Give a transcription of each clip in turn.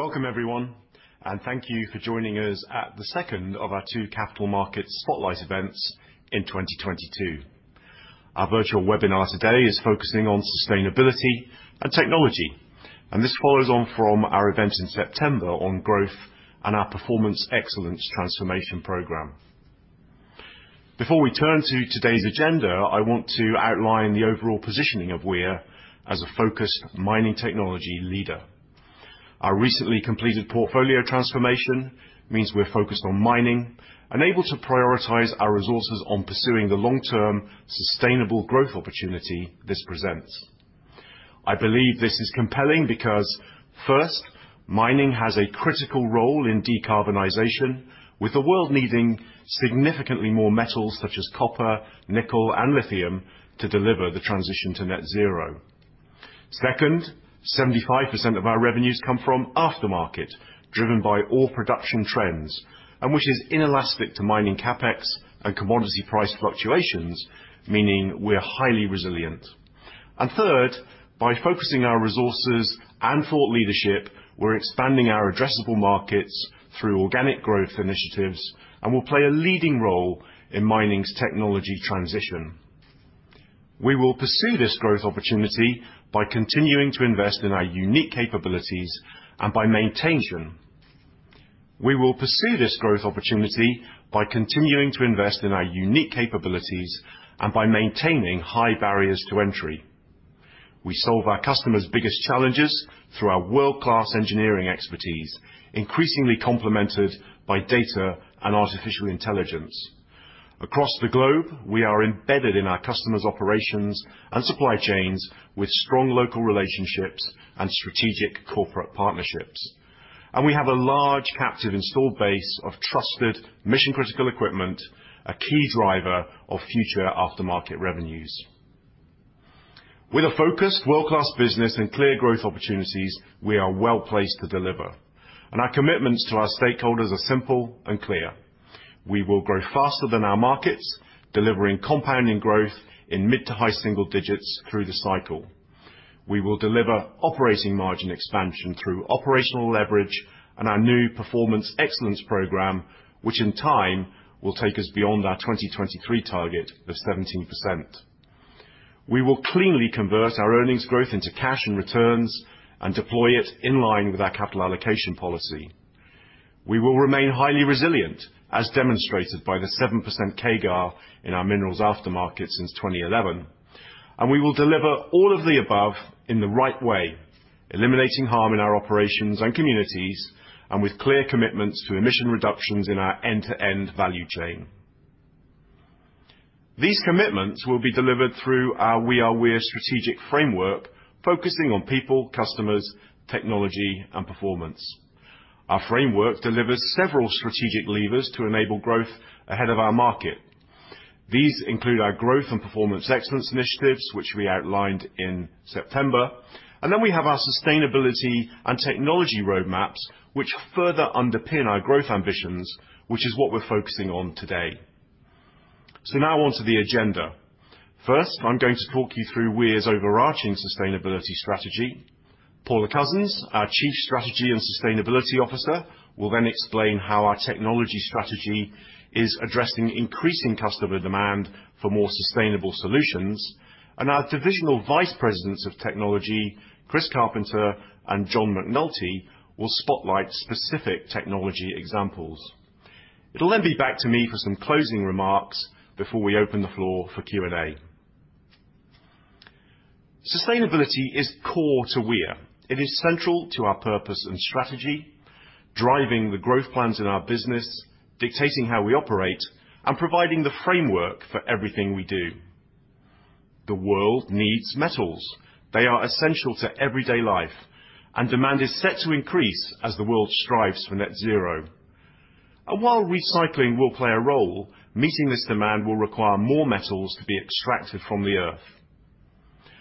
Welcome everyone, and thank you for joining us at the second of our two capital market spotlight events in 2022. Our virtual webinar today is focusing on sustainability and technology. This follows on from our event in September on growth and our performance excellence transformation program. Before we turn to today's agenda, I want to outline the overall positioning of Weir as a focus mining technology leader. Our recently completed portfolio transformation means we're focused on mining and able to prioritize our resources on pursuing the long-term sustainable growth opportunity this presents. I believe this is compelling because first, mining has a critical role in decarbonization with the world needing significantly more metals such as copper, nickel, and lithium to deliver the transition to net zero. Second, 75% of our revenues come from aftermarket, driven by all production trends, which is inelastic to mining CapEx and commodity price fluctuations, meaning we're highly resilient. Third, by focusing our resources and thought leadership, we're expanding our addressable markets through organic growth initiatives, and we'll play a leading role in mining's technology transition. We will pursue this growth opportunity by continuing to invest in our unique capabilities and by maintaining high barriers to entry. We solve our customers' biggest challenges through our world-class engineering expertise, increasingly complemented by data and artificial intelligence. Across the globe, we are embedded in our customers' operations and supply chains with strong local relationships and strategic corporate partnerships. We have a large captive installed base of trusted mission-critical equipment, a key driver of future aftermarket revenues. With a focused world-class business and clear growth opportunities, we are well-placed to deliver, and our commitments to our stakeholders are simple and clear. We will grow faster than our markets, delivering compounding growth in mid to high single digits through the cycle. We will deliver operating margin expansion through operational leverage and our new performance excellence program, which in time will take us beyond our 2023 target of 17%. We will cleanly convert our earnings growth into cash and returns and deploy it in line with our capital allocation policy. We will remain highly resilient, as demonstrated by the 7% CAGR in our Minerals aftermarket since 2011, and we will deliver all of the above in the right way, eliminating harm in our operations and communities, and with clear commitments to emission reductions in our end-to-end value chain. These commitments will be delivered through our We Are Weir strategic framework, focusing on people, customers, technology, and performance. Our framework delivers several strategic levers to enable growth ahead of our market. These include our growth and performance excellence initiatives, which we outlined in September. We have our sustainability and technology roadmaps, which further underpin our growth ambitions, which is what we're focusing on today. On to the agenda. First, I'm going to talk you through Weir's overarching sustainability strategy. Paula Cousins, our Chief Strategy and Sustainability Officer, will then explain how our technology strategy is addressing increasing customer demand for more sustainable solutions. Our Divisional Vice Presidents of Technology, Chris Carpenter and John McNulty, will spotlight specific technology examples. It'll then be back to me for some closing remarks before we open the floor for Q&A. Sustainability is core to Weir. It is central to our purpose and strategy, driving the growth plans in our business, dictating how we operate, and providing the framework for everything we do. The world needs metals. They are essential to everyday life, and demand is set to increase as the world strives for net zero. While recycling will play a role, meeting this demand will require more metals to be extracted from the earth.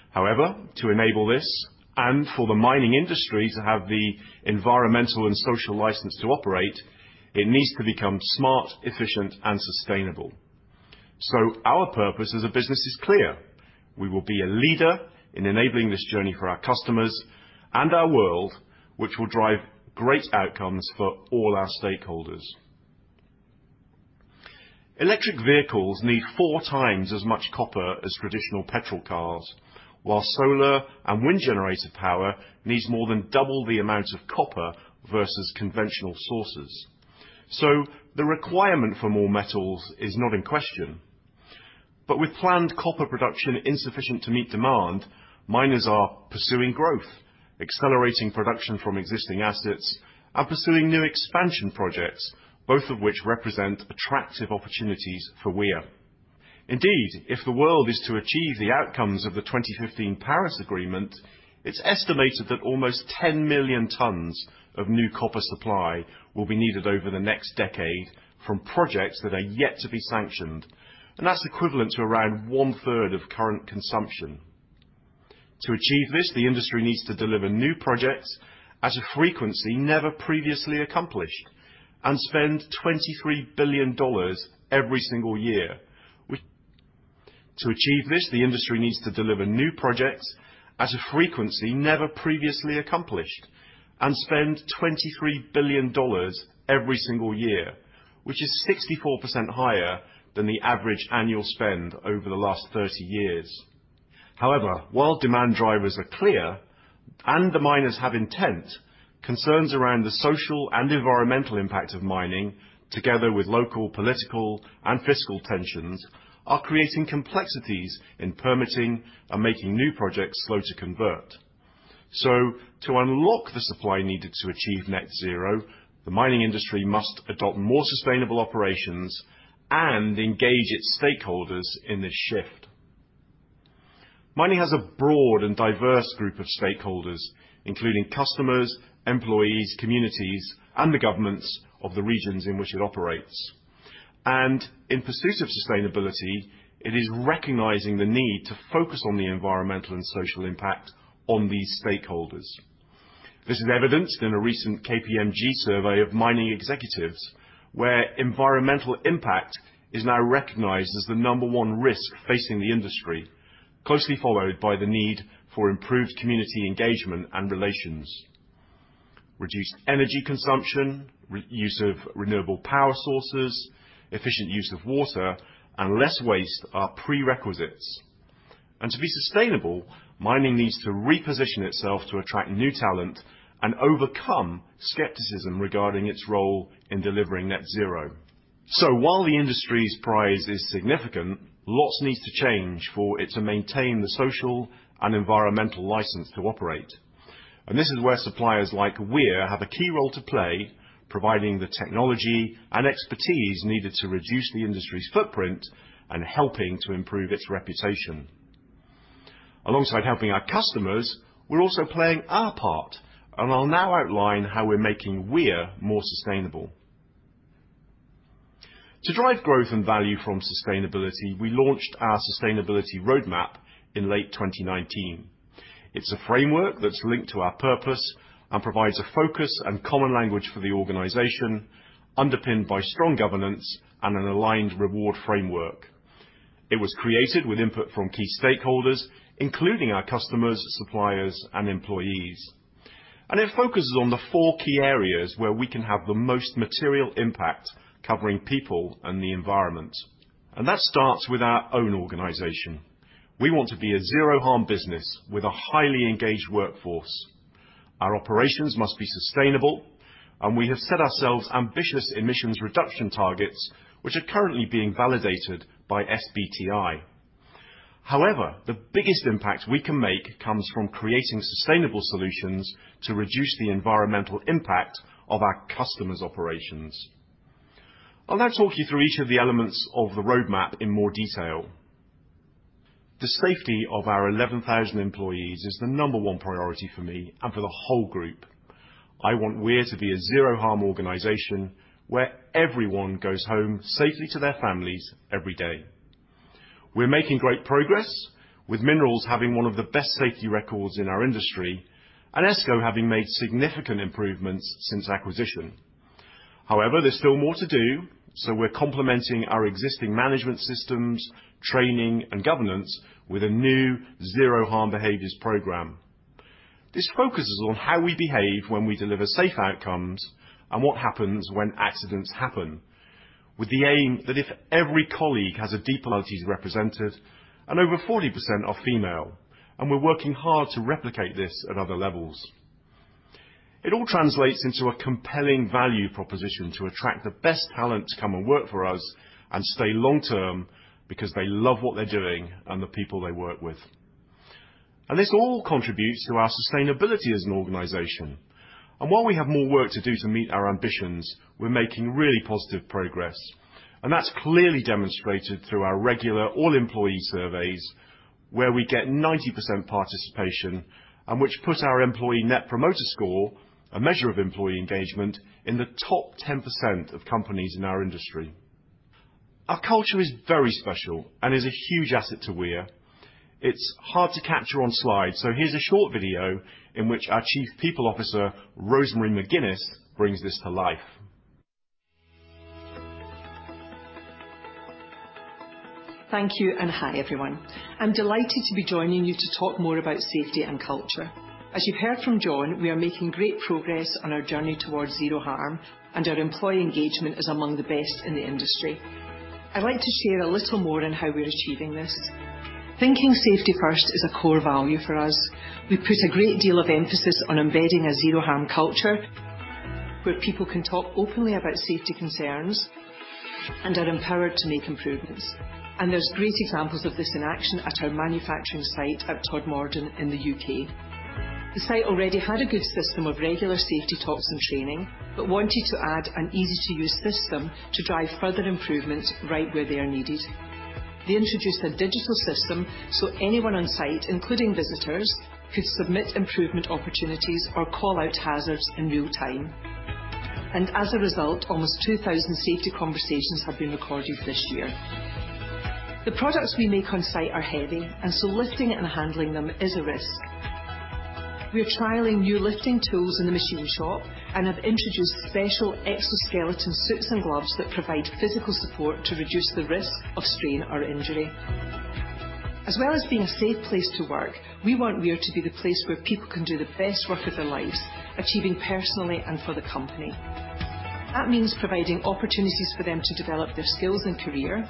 However, to enable this and for the mining industry to have the environmental and social license to operate, it needs to become smart, efficient, and sustainable. Our purpose as a business is clear. We will be a leader in enabling this journey for our customers and our world, which will drive great outcomes for all our stakeholders. Electric vehicles need 4x as much copper as traditional petrol cars, while solar and wind-generated power needs more than double the amount of copper versus conventional sources. The requirement for more metals is not in question. With planned copper production insufficient to meet demand, miners are pursuing growth, accelerating production from existing assets, and pursuing new expansion projects, both of which represent attractive opportunities for Weir. Indeed, if the world is to achieve the outcomes of the 2015 Paris Agreement, it's estimated that almost 10 million tons of new copper supply will be needed over the next decade from projects that are yet to be sanctioned. That's equivalent to around 1/3 of current consumption. To achieve this, the industry needs to deliver new projects at a frequency never previously accomplished and spend $23 billion every single year. To achieve this, the industry needs to deliver new projects at a frequency never previously accomplished and spend $23 billion every single year, which is 64% higher than the average annual spend over the last 30 years. However, while demand drivers are clear and the miners have intent, concerns around the social and environmental impact of mining, together with local, political, and fiscal tensions, are creating complexities in permitting and making new projects slow to convert. To unlock the supply needed to achieve net zero, the mining industry must adopt more sustainable operations and engage its stakeholders in this shift. Mining has a broad and diverse group of stakeholders, including customers, employees, communities, and the governments of the regions in which it operates. In pursuit of sustainability, it is recognizing the need to focus on the environmental and social impact on these stakeholders. This is evidenced in a recent KPMG survey of mining executives, where environmental impact is now recognized as the number one risk facing the industry, closely followed by the need for improved community engagement and relations. Reduced energy consumption, use of renewable power sources, efficient use of water, and less waste are prerequisites. To be sustainable, mining needs to reposition itself to attract new talent and overcome skepticism regarding its role in delivering net zero. While the industry's prize is significant, lots needs to change for it to maintain the social and environmental license to operate. This is where suppliers like Weir have a key role to play, providing the technology and expertise needed to reduce the industry's footprint and helping to improve its reputation. Alongside helping our customers, we're also playing our part, and I'll now outline how we're making Weir more sustainable. To drive growth and value from sustainability, we launched our sustainability roadmap in late 2019. It's a framework that's linked to our purpose and provides a focus and common language for the organization, underpinned by strong governance and an aligned reward framework. It was created with input from key stakeholders, including our customers, suppliers, and employees. It focuses on the four key areas where we can have the most material impact covering people and the environment. That starts with our own organization. We want to be a zero harm business with a highly engaged workforce. Our operations must be sustainable, and we have set ourselves ambitious emissions reduction targets, which are currently being validated by SBTi. However, the biggest impact we can make comes from creating sustainable solutions to reduce the environmental impact of our customers' operations. I'll now talk you through each of the elements of the roadmap in more detail. The safety of our 11,000 employees is the number one priority for me and for the whole group. I want Weir to be a Zero Harmorganization where everyone goes home safely to their families every day. We're making great progress with Minerals having one of the best safety records in our industry, and ESCO having made significant improvements since acquisition. There's still more to do, so we're complementing our existing management systems, training, and governance with a new Zero Harm behaviors program. This focuses on how we behave when we deliver safe outcomes and what happens when accidents happen, with the aim that if every colleague has. Over 40% are female, and we're working hard to replicate this at other levels. It all translates into a compelling value proposition to attract the best talent to come and work for us and stay long-term because they love what they're doing and the people they work with. This all contributes to our sustainability as an organization. While we have more work to do to meet our ambitions, we're making really positive progress. That's clearly demonstrated through our regular all-employee surveys, where we get 90% participation and which put our employee net promoter score, a measure of employee engagement, in the top 10% of companies in our industry. Our culture is very special and is a huge asset to Weir. It's hard to capture on slide, so here's a short video in which our Chief People Officer, Rosemary McGinness, brings this to life. Thank you. Hi, everyone. I'm delighted to be joining you to talk more about safety and culture. As you've heard from Jon, we are making great progress on our journey towards Zero Harm, and our employee engagement is among the best in the industry. I'd like to share a little more on how we're achieving this. Thinking safety first is a core value for us. We put a great deal of emphasis on embedding a zero harm culture where people can talk openly about safety concerns and are empowered to make improvements. There's great examples of this in action at our manufacturing site at Todmorden in the U.K. The site already had a good system of regular safety talks and training, but wanted to add an easy-to-use system to drive further improvements right where they are needed. They introduced a digital system so anyone on site, including visitors, could submit improvement opportunities or call out hazards in real time. As a result, almost 2,000 safety conversations have been recorded this year. The products we make on-site are heavy, and so lifting and handling them is a risk. We are trialing new lifting tools in the machine shop and have introduced special exoskeleton suits and gloves that provide physical support to reduce the risk of strain or injury. As well as being a safe place to work, we want Weir to be the place where people can do the best work of their lives, achieving personally and for the company. That means providing opportunities for them to develop their skills and career.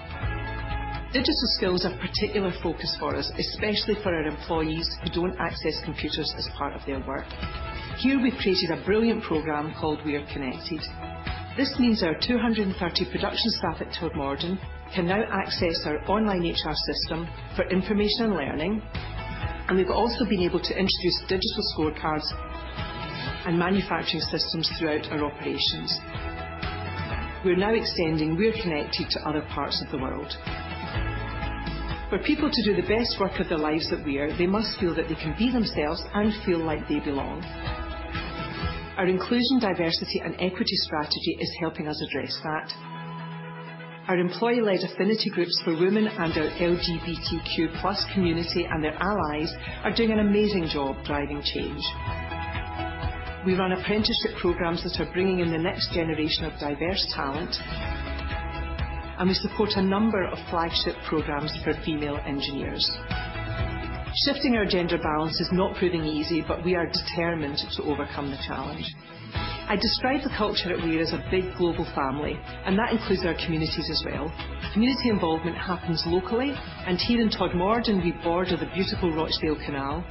Digital skills are a particular focus for us, especially for our employees who don't access computers as part of their work. Here we've created a brilliant program called Weir Connected. This means our 230 production staff at Todmorden can now access our online HR system for information and learning, and we've also been able to introduce digital scorecards and manufacturing systems throughout our operations. We're now extending Weir Connected to other parts of the world. For people to do the best work of their lives at Weir, they must feel that they can be themselves and feel like they belong. Our inclusion, diversity, and equity strategy is helping us address that. Our employee-led affinity groups for women and our LGBTQ+ community and their allies are doing an amazing job driving change. We run apprenticeship programs that are bringing in the next generation of diverse talent, and we support a number of flagship programs for female engineers. Shifting our gender balance is not proving easy, but we are determined to overcome the challenge. I describe the culture at Weir as a big global family, and that includes our communities as well. Community involvement happens locally and here in Todmorden we border the beautiful Rochdale Canal.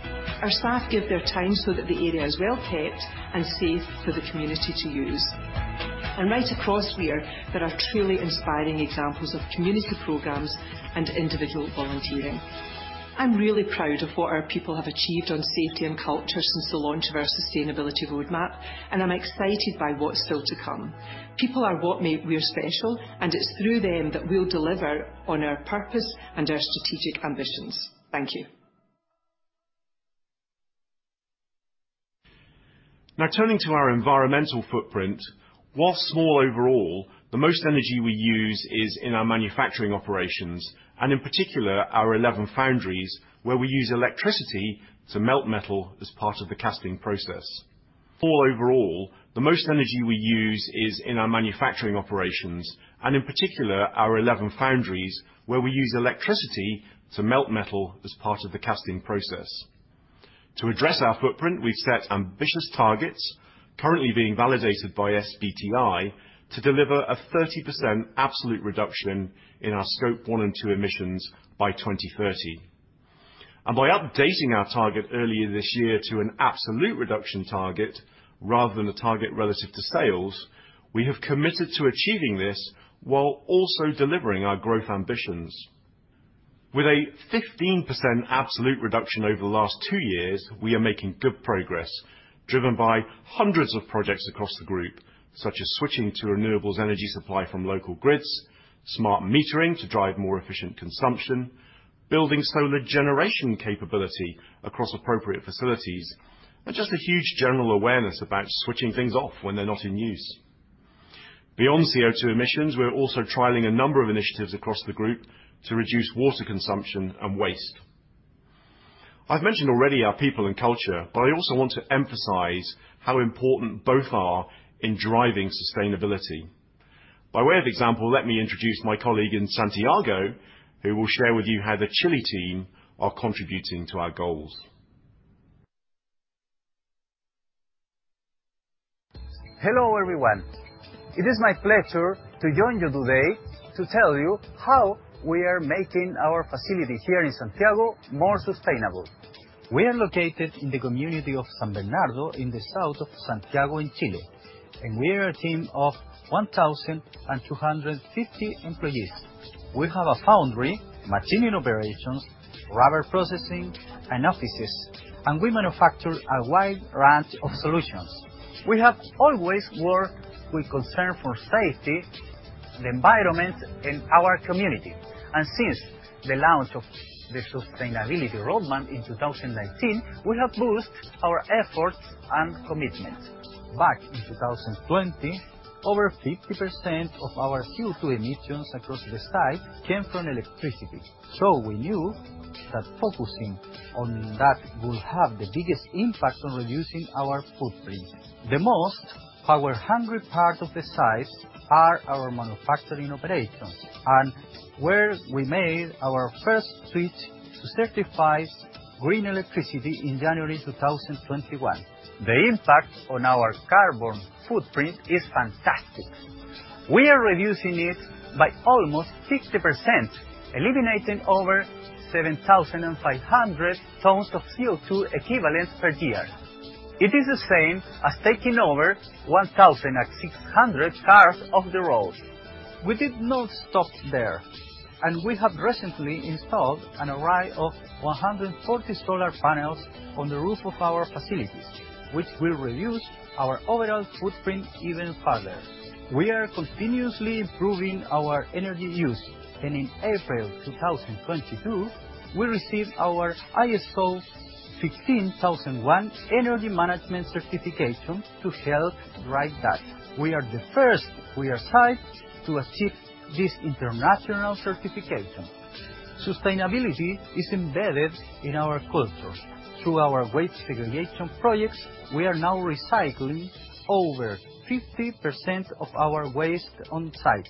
Our staff give their time so that the area is well kept and safe for the community to use. Right across Weir, there are truly inspiring examples of community programs and individual volunteering. I'm really proud of what our people have achieved on safety and culture since the launch of our sustainability roadmap, and I'm excited by what's still to come. People are what make Weir special, and it's through them that we'll deliver on our purpose and our strategic ambitions. Thank you. Now turning to our environmental footprint. While small overall, the most energy we use is in our manufacturing operations and in particular our 11 foundries where we use electricity to melt metal as part of the casting process. Fall overall, the most energy we use is in our manufacturing operations, and in particular, our 11 foundries, where we use electricity to melt metal as part of the casting process. To address our footprint, we've set ambitious targets currently being validated by SBTi to deliver a 30% absolute reduction in our Scope 1 and 2 emissions by 2030. By updating our target earlier this year to an absolute reduction target rather than a target relative to sales, we have committed to achieving this while also delivering our growth ambitions. With a 15% absolute reduction over the last two years, we are making good progress driven by hundreds of projects across the Group, such as switching to renewables energy supply from local grids, smart metering to drive more efficient consumption, building solar generation capability across appropriate facilities, and just a huge general awareness about switching things off when they're not in use. Beyond CO₂ emissions, we're also trialing a number of initiatives across the Group to reduce water consumption and waste. I've mentioned already our people and culture. I also want to emphasize how important both are in driving sustainability. By way of example, let me introduce my colleague in Santiago, who will share with you how the Chile team are contributing to our goals. Hello, everyone. It is my pleasure to join you today to tell you how we are making our facility here in Santiago more sustainable. We are located in the community of San Bernardo in the south of Santiago in Chile, and we are a team of 1,250 employees. We have a foundry, machining operations, rubber processing, and offices, and we manufacture a wide range of solutions. We have always worked with concern for safety, the environment, and our community. Since the launch of the sustainability roadmap in 2019, we have boosted our efforts and commitment. Back in 2020, over 50% of our CO₂ emissions across the site came from electricity. We knew that focusing on that will have the biggest impact on reducing our footprint. The most power-hungry part of the site are our manufacturing operations where we made our first switch to certified green electricity in January 2021. The impact on our carbon footprint is fantastic. We are reducing it by almost 60%, eliminating over 7,500 tons of CO₂ equivalent per year. It is the same as taking over 1,600 cars off the road. We did not stop there, and we have recently installed an array of 140 solar panels on the roof of our facilities, which will reduce our overall footprint even further. We are continuously improving our energy use. In April 2022, we received our ISO 16001 energy management certification to help drive that. We are the first Weir site to achieve this international certification. Sustainability is embedded in our culture. Through our waste segregation projects, we are now recycling over 50% of our waste on site.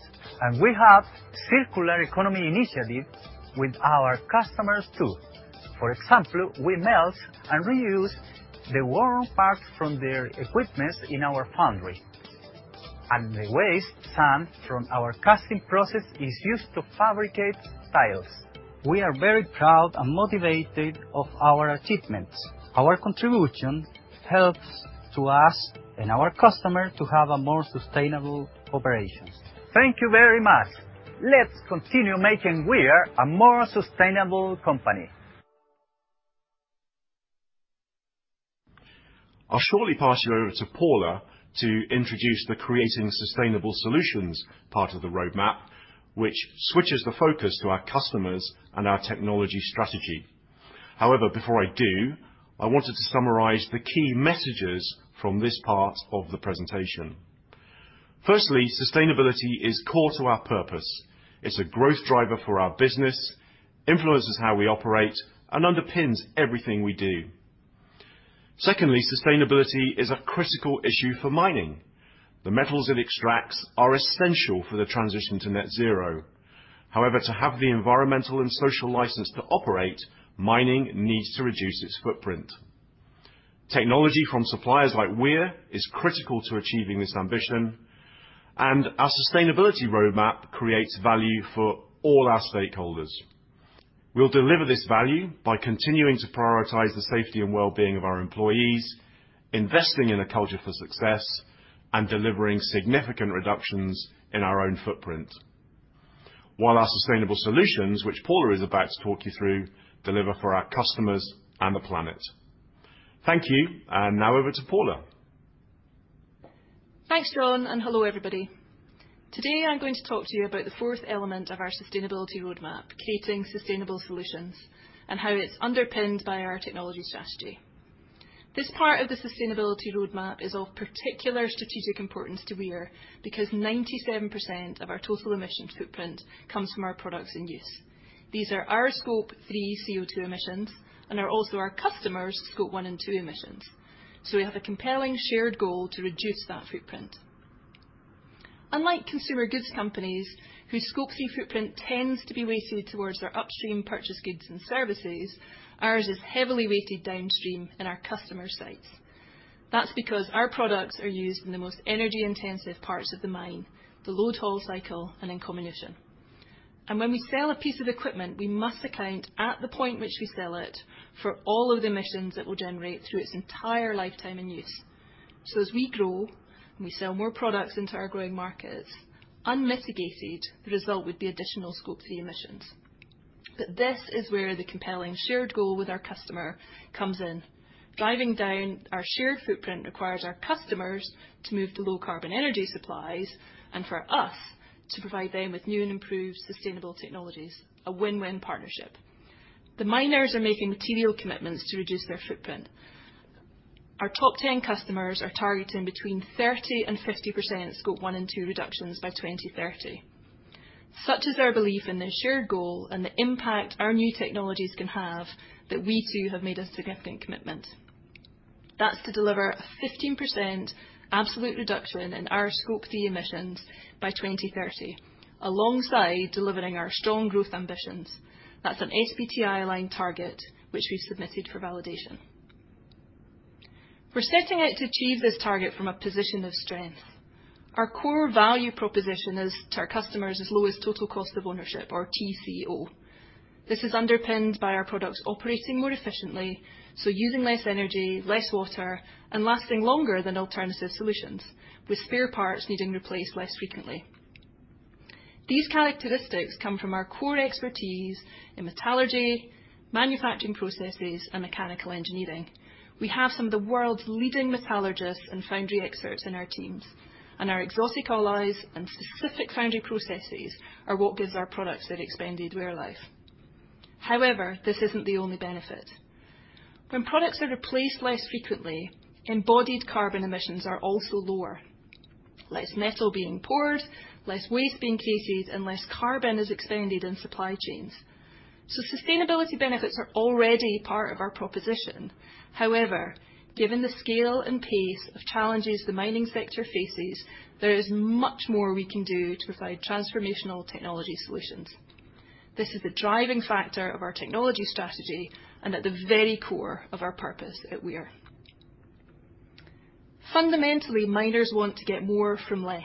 We have circular economy initiative with our customers too. For example, we melt and reuse the worn parts from their equipment in our foundry. The waste sand from our casting process is used to fabricate tiles. We are very proud and motivated of our achievements. Our contribution helps to us and our customer to have a more sustainable operations. Thank you very much. Let's continue making Weir a more sustainable company. I'll shortly pass you over to Paula to introduce the creating sustainable solutions part of the roadmap, which switches the focus to our customers and our technology strategy. However, before I do, I wanted to summarize the key messages from this part of the presentation. Firstly, sustainability is core to our purpose. It's a growth driver for our business, influences how we operate, and underpins everything we do. Secondly, sustainability is a critical issue for mining. The metals it extracts are essential for the transition to net zero. However, to have the environmental and social license to operate, mining needs to reduce its footprint. Technology from suppliers like Weir is critical to achieving this ambition, and our sustainability roadmap creates value for all our stakeholders. We'll deliver this value by continuing to prioritize the safety and well-being of our employees, investing in a culture for success, and delivering significant reductions in our own footprint. While our sustainable solutions, which Paula is about to talk you through, deliver for our customers and the planet. Thank you. Now over to Paula. Thanks, Jon. Hello, everybody. Today, I'm going to talk to you about the fourth element of our sustainability roadmap, creating sustainable solutions, and how it's underpinned by our technology strategy. This part of the sustainability roadmap is of particular strategic importance to Weir, because 97% of our total emission footprint comes from our products in use. These are our Scope 3 CO₂ emissions and are also our customers' Scope 1 and 2 emissions. We have a compelling shared goal to reduce that footprint. Unlike consumer goods companies whose Scope 3 footprint tends to be weighted towards their upstream purchase goods and services, ours is heavily weighted downstream in our customer sites. That's because our products are used in the most energy-intensive parts of the mine, the load-haul cycle and in combination. When we sell a piece of equipment, we must account at the point which we sell it for all of the emissions that we'll generate through its entire lifetime in use. As we grow and we sell more products into our growing markets, unmitigated, the result would be additional Scope 3 emissions. This is where the compelling shared goal with our customer comes in. Driving down our shared footprint requires our customers to move to low carbon energy supplies and for us to provide them with new and improved sustainable technologies, a win-win partnership. The miners are making material commitments to reduce their footprint. Our top 10 customers are targeting between 30% and 50% Scope 1 and 2 reductions by 2030. Such is their belief in the shared goal and the impact our new technologies can have that we too have made a significant commitment. That's to deliver a 15% absolute reduction in our Scope 3 emissions by 2030, alongside delivering our strong growth ambitions. That's an SBTi line target which we've submitted for validation. We're setting out to achieve this target from a position of strength. Our core value proposition is to our customers as low as Total Cost of Ownership or TCO. This is underpinned by our products operating more efficiently, so using less energy, less water, and lasting longer than alternative solutions with spare parts needing replaced less frequently. These characteristics come from our core expertise in metallurgy, manufacturing processes, and mechanical engineering. We have some of the world's leading metallurgists and foundry experts in our teams, and our exotic alloys and specific foundry processes are what gives our products their expanded wear life. However, this isn't the only benefit. When products are replaced less frequently, embodied carbon emissions are also lower. Less metal being poured, less waste being created, and less carbon is expended in supply chains. Sustainability benefits are already part of our proposition. However, given the scale and pace of challenges the mining sector faces, there is much more we can do to provide transformational technology solutions. This is the driving factor of our technology strategy and at the very core of our purpose at Weir. Fundamentally, miners want to get more from less,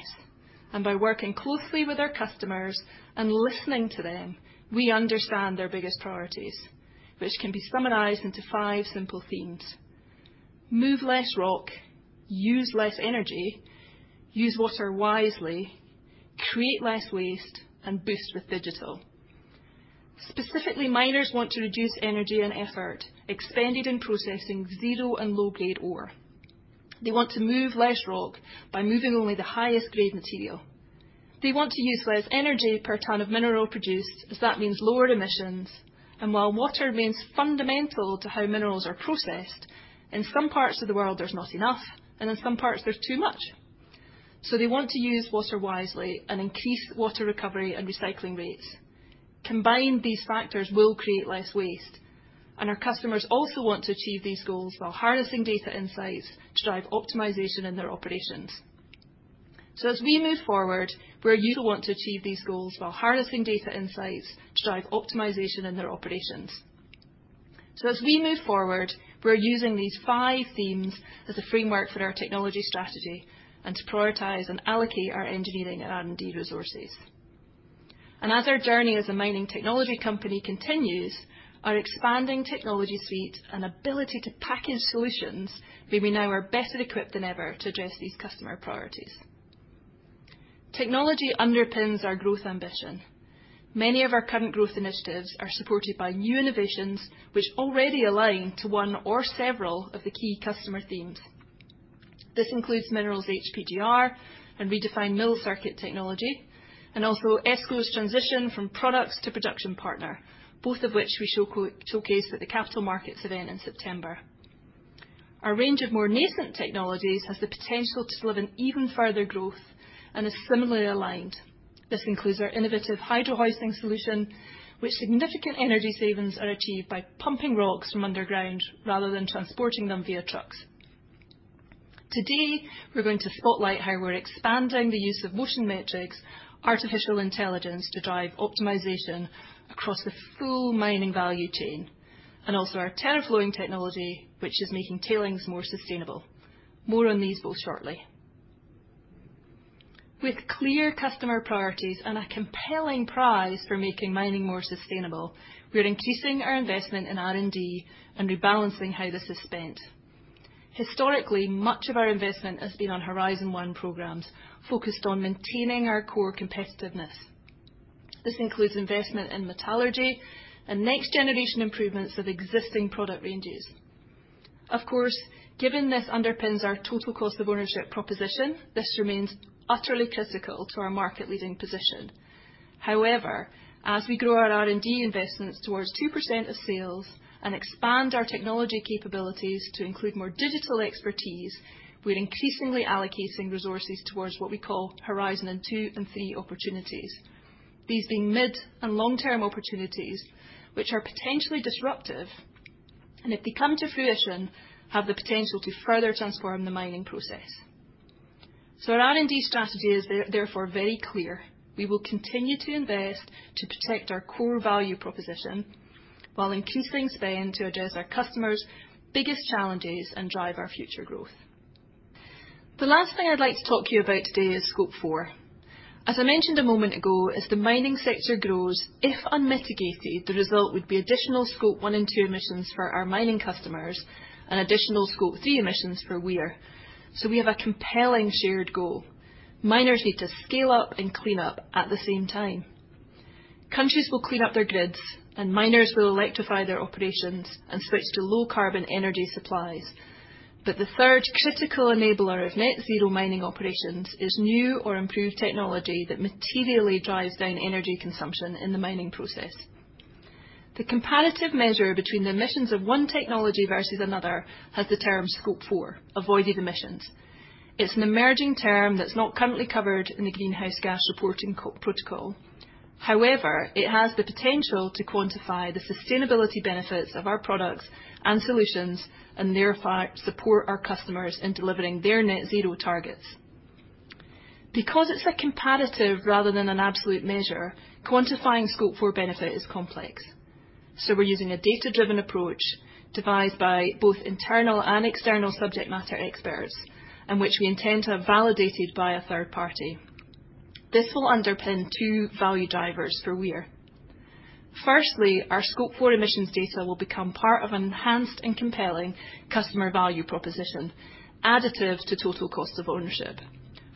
and by working closely with our customers and listening to them, we understand their biggest priorities, which can be summarized into five simple themes: move less rock, use less energy, use water wisely, create less waste, and boost with digital. Specifically, miners want to reduce energy and effort expended in processing zero and low-grade ore. They want to move less rock by moving only the highest grade material. They want to use less energy per ton of mineral produced, as that means lower emissions. While water remains fundamental to how minerals are processed, in some parts of the world, there's not enough, and in some parts, there's too much. They want to use water wisely and increase water recovery and recycling rates. Combined, these factors will create less waste. Our customers also want to achieve these goals while harnessing data insights to drive optimization in their operations. As we move forward, we're using these five themes as a framework for our technology strategy and to prioritize and allocate our engineering and R&D resources. As our journey as a mining technology company continues, our expanding technology suite and ability to package solutions mean we now are better equipped than ever to address these customer priorities. Technology underpins our growth ambition. Many of our current growth initiatives are supported by new innovations which already align to one or several of the key customer themes. This includes Minerals HPGR and REDEFINE mill circuit technology, and also ESCO's transition from products to production partner, both of which we showcase at the capital markets event in September. Our range of more nascent technologies has the potential to deliver even further growth and is similarly aligned. This includes our innovative Hydro Hoisting solution, which significant energy savings are achieved by pumping rocks from underground rather than transporting them via trucks. Today, we're going to spotlight how we're expanding the use of Motion Metrics, artificial intelligence to drive optimization across the full mining value chain, and also our TerraFlowing technology, which is making tailings more sustainable. More on these both shortly. With clear customer priorities and a compelling prize for making mining more sustainable, we are increasing our investment in R&D and rebalancing how this is spent. Historically, much of our investment has been on Horizon 1 programs focused on maintaining our core competitiveness. This includes investment in metallurgy and next generation improvements of existing product ranges. Of course, given this underpins our Total Cost of Ownership proposition, this remains utterly critical to our market leading position. However, as we grow our R&D investments towards 2% of sales and expand our technology capabilities to include more digital expertise, we're increasingly allocating resources towards what we call Horizon 2 and 3 opportunities. These being mid and long-term opportunities which are potentially disruptive, and if they come to fruition, have the potential to further transform the mining process. Our R&D strategy is therefore very clear. We will continue to invest to protect our core value proposition while increasing spend to address our customers' biggest challenges and drive our future growth. The last thing I'd like to talk to you about today is Scope 4. As I mentioned a moment ago, as the mining sector grows, if unmitigated, the result would be additional Scope 1 and 2 emissions for our mining customers and additional Scope 3 emissions per year. We have a compelling shared goal. Miners need to scale up and clean up at the same time. Countries will clean up their grids. Miners will electrify their operations and switch to low carbon energy supplies. The third critical enabler of net zero mining operations is new or improved technology that materially drives down energy consumption in the mining process. The comparative measure between the emissions of one technology versus another has the term Scope 4, avoided emissions. It's an emerging term that's not currently covered in the Greenhouse Gas Protocol. However, it has the potential to quantify the sustainability benefits of our products and solutions, and thereby support our customers in delivering their net zero targets. Because it's a comparative rather than an absolute measure, quantifying Scope 4 benefit is complex. We're using a data-driven approach devised by both internal and external subject matter experts, and which we intend to have validated by a third party. This will underpin two value drivers for Weir. Firstly, our Scope 4 emissions data will become part of an enhanced and compelling customer value proposition, additive to total cost of ownership.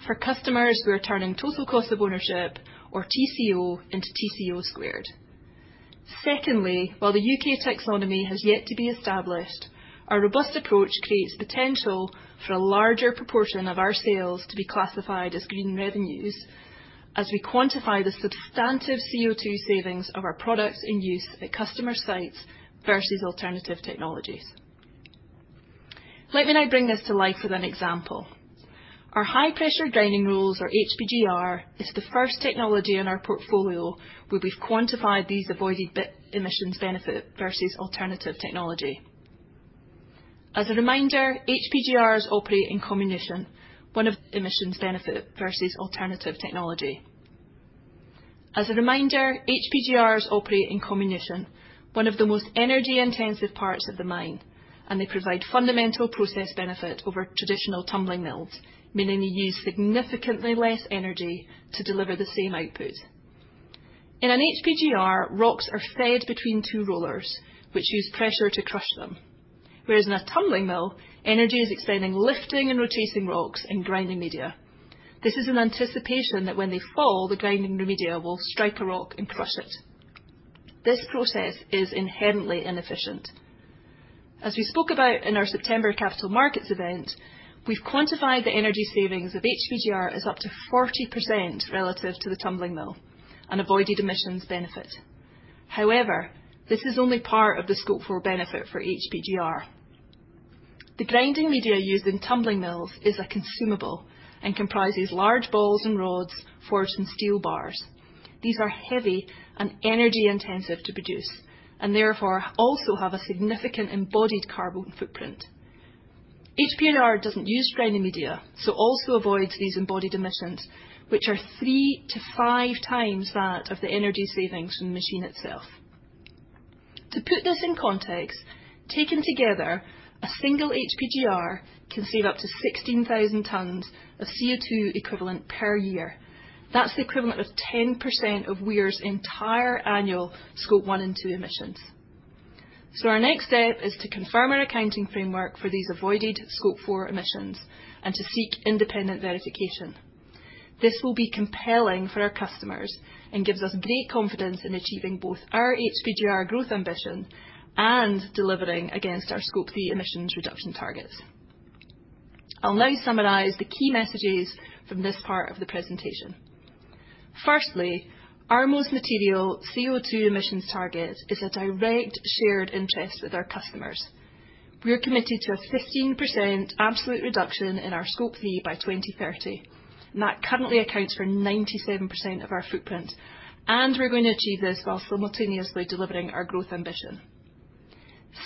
For customers who are turning total cost of ownership or TCO into TCO². Secondly, while the U.K. taxonomy has yet to be established, our robust approach creates potential for a larger proportion of our sales to be classified as green revenues as we quantify the substantive CO₂ savings of our products in use at customer sites versus alternative technologies. Let me now bring this to life with an example. Our High Pressure Grinding Rolls or HPGR is the first technology in our portfolio where we've quantified these avoided emissions benefit versus alternative technology. As a reminder, HPGRs operate in comminution, one of the most energy-intensive parts of the mine, and they provide fundamental process benefit over traditional tumbling mills, meaning they use significantly less energy to deliver the same output. In an HPGR, rocks are fed between two rollers, which use pressure to crush them. Whereas in a tumbling mill, energy is expending lifting and rotating rocks and grinding media. This is an anticipation that when they fall, the grinding media will strike a rock and crush it. This process is inherently inefficient. As we spoke about in our September capital markets event, we've quantified the energy savings of HPGR as up to 40% relative to the tumbling mill, an avoided emissions benefit. However, this is only part of the scope for benefit for HPGR. The grinding media used in tumbling mills is a consumable and comprises large balls and rods forged in steel bars. These are heavy and energy-intensive to produce, and therefore also have a significant embodied carbon footprint. HPGR doesn't use grinding media, so also avoids these embodied emissions, which are 3-5x that of the energy savings from the machine itself. To put this in context, taken together, a single HPGR can save up to 16,000 tons of CO₂ equivalent per year. That's the equivalent of 10% of Weir's entire annual Scope 1 and 2 emissions. Our next step is to confirm our accounting framework for these avoided Scope 4 emissions and to seek independent verification. This will be compelling for our customers and gives us great confidence in achieving both our HPGR growth ambition and delivering against our Scope 3 emissions reduction targets. I'll now summarize the key messages from this part of the presentation. Firstly, our most material CO₂ emissions target is a direct shared interest with our customers. We are committed to a 15% absolute reduction in our Scope 3 by 2030, and that currently accounts for 97% of our footprint, and we're going to achieve this while simultaneously delivering our growth ambition.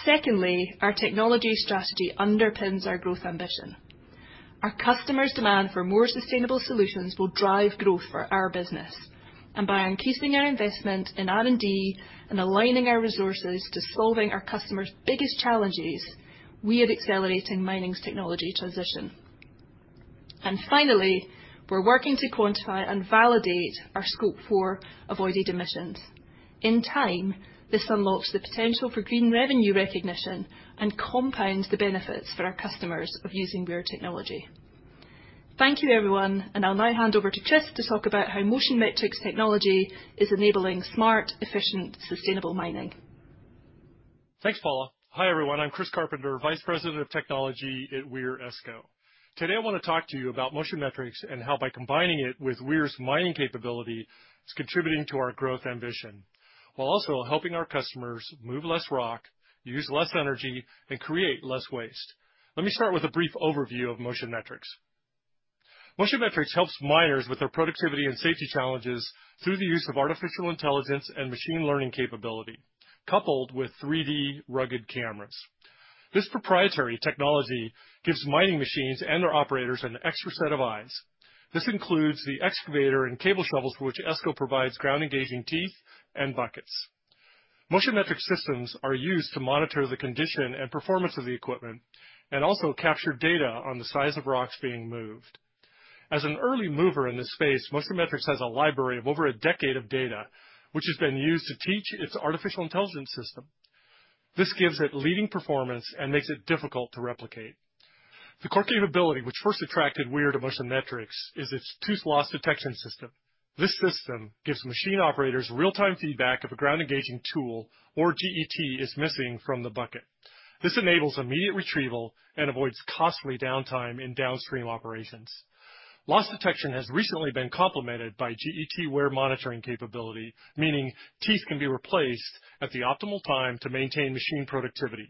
Secondly, our technology strategy underpins our growth ambition. Our customers' demand for more sustainable solutions will drive growth for our business. By increasing our investment in R&D and aligning our resources to solving our customers' biggest challenges, we are accelerating mining's technology transition. Finally, we're working to quantify and validate our Scope 4 avoided emissions. In time, this unlocks the potential for green revenue recognition and compounds the benefits for our customers of using Weir technology. Thank you everyone, and I'll now hand over to Chris to talk about how Motion Metrics technology is enabling smart, efficient, sustainable mining. Thanks, Paula. Hi everyone. I'm Chris Carpenter, Vice President of Technology at Weir ESCO. Today I wanna talk to you about Motion Metrics and how by combining it with Weir's mining capability, it's contributing to our growth ambition, while also helping our customers move less rock, use less energy, and create less waste. Let me start with a brief overview of Motion Metrics. Motion Metrics helps miners with their productivity and safety challenges through the use of artificial intelligence and machine learning capability, coupled with 3D rugged cameras. This proprietary technology gives mining machines and their operators an extra set of eyes. This includes the excavator and cable shovels for which ESCO provides ground engaging teeth and buckets. Motion Metrics systems are used to monitor the condition and performance of the equipment and also capture data on the size of rocks being moved. As an early mover in this space, Motion Metrics has a library of over a decade of data which has been used to teach its artificial intelligence system. This gives it leading performance and makes it difficult to replicate. The core capability which first attracted Weir to Motion Metrics is its tooth loss detection system. This system gives machine operators real-time feedback if a ground engaging tool or GET is missing from the bucket. This enables immediate retrieval and avoids costly downtime in downstream operations. Loss detection has recently been complemented by GET wear monitoring capability, meaning teeth can be replaced at the optimal time to maintain machine productivity.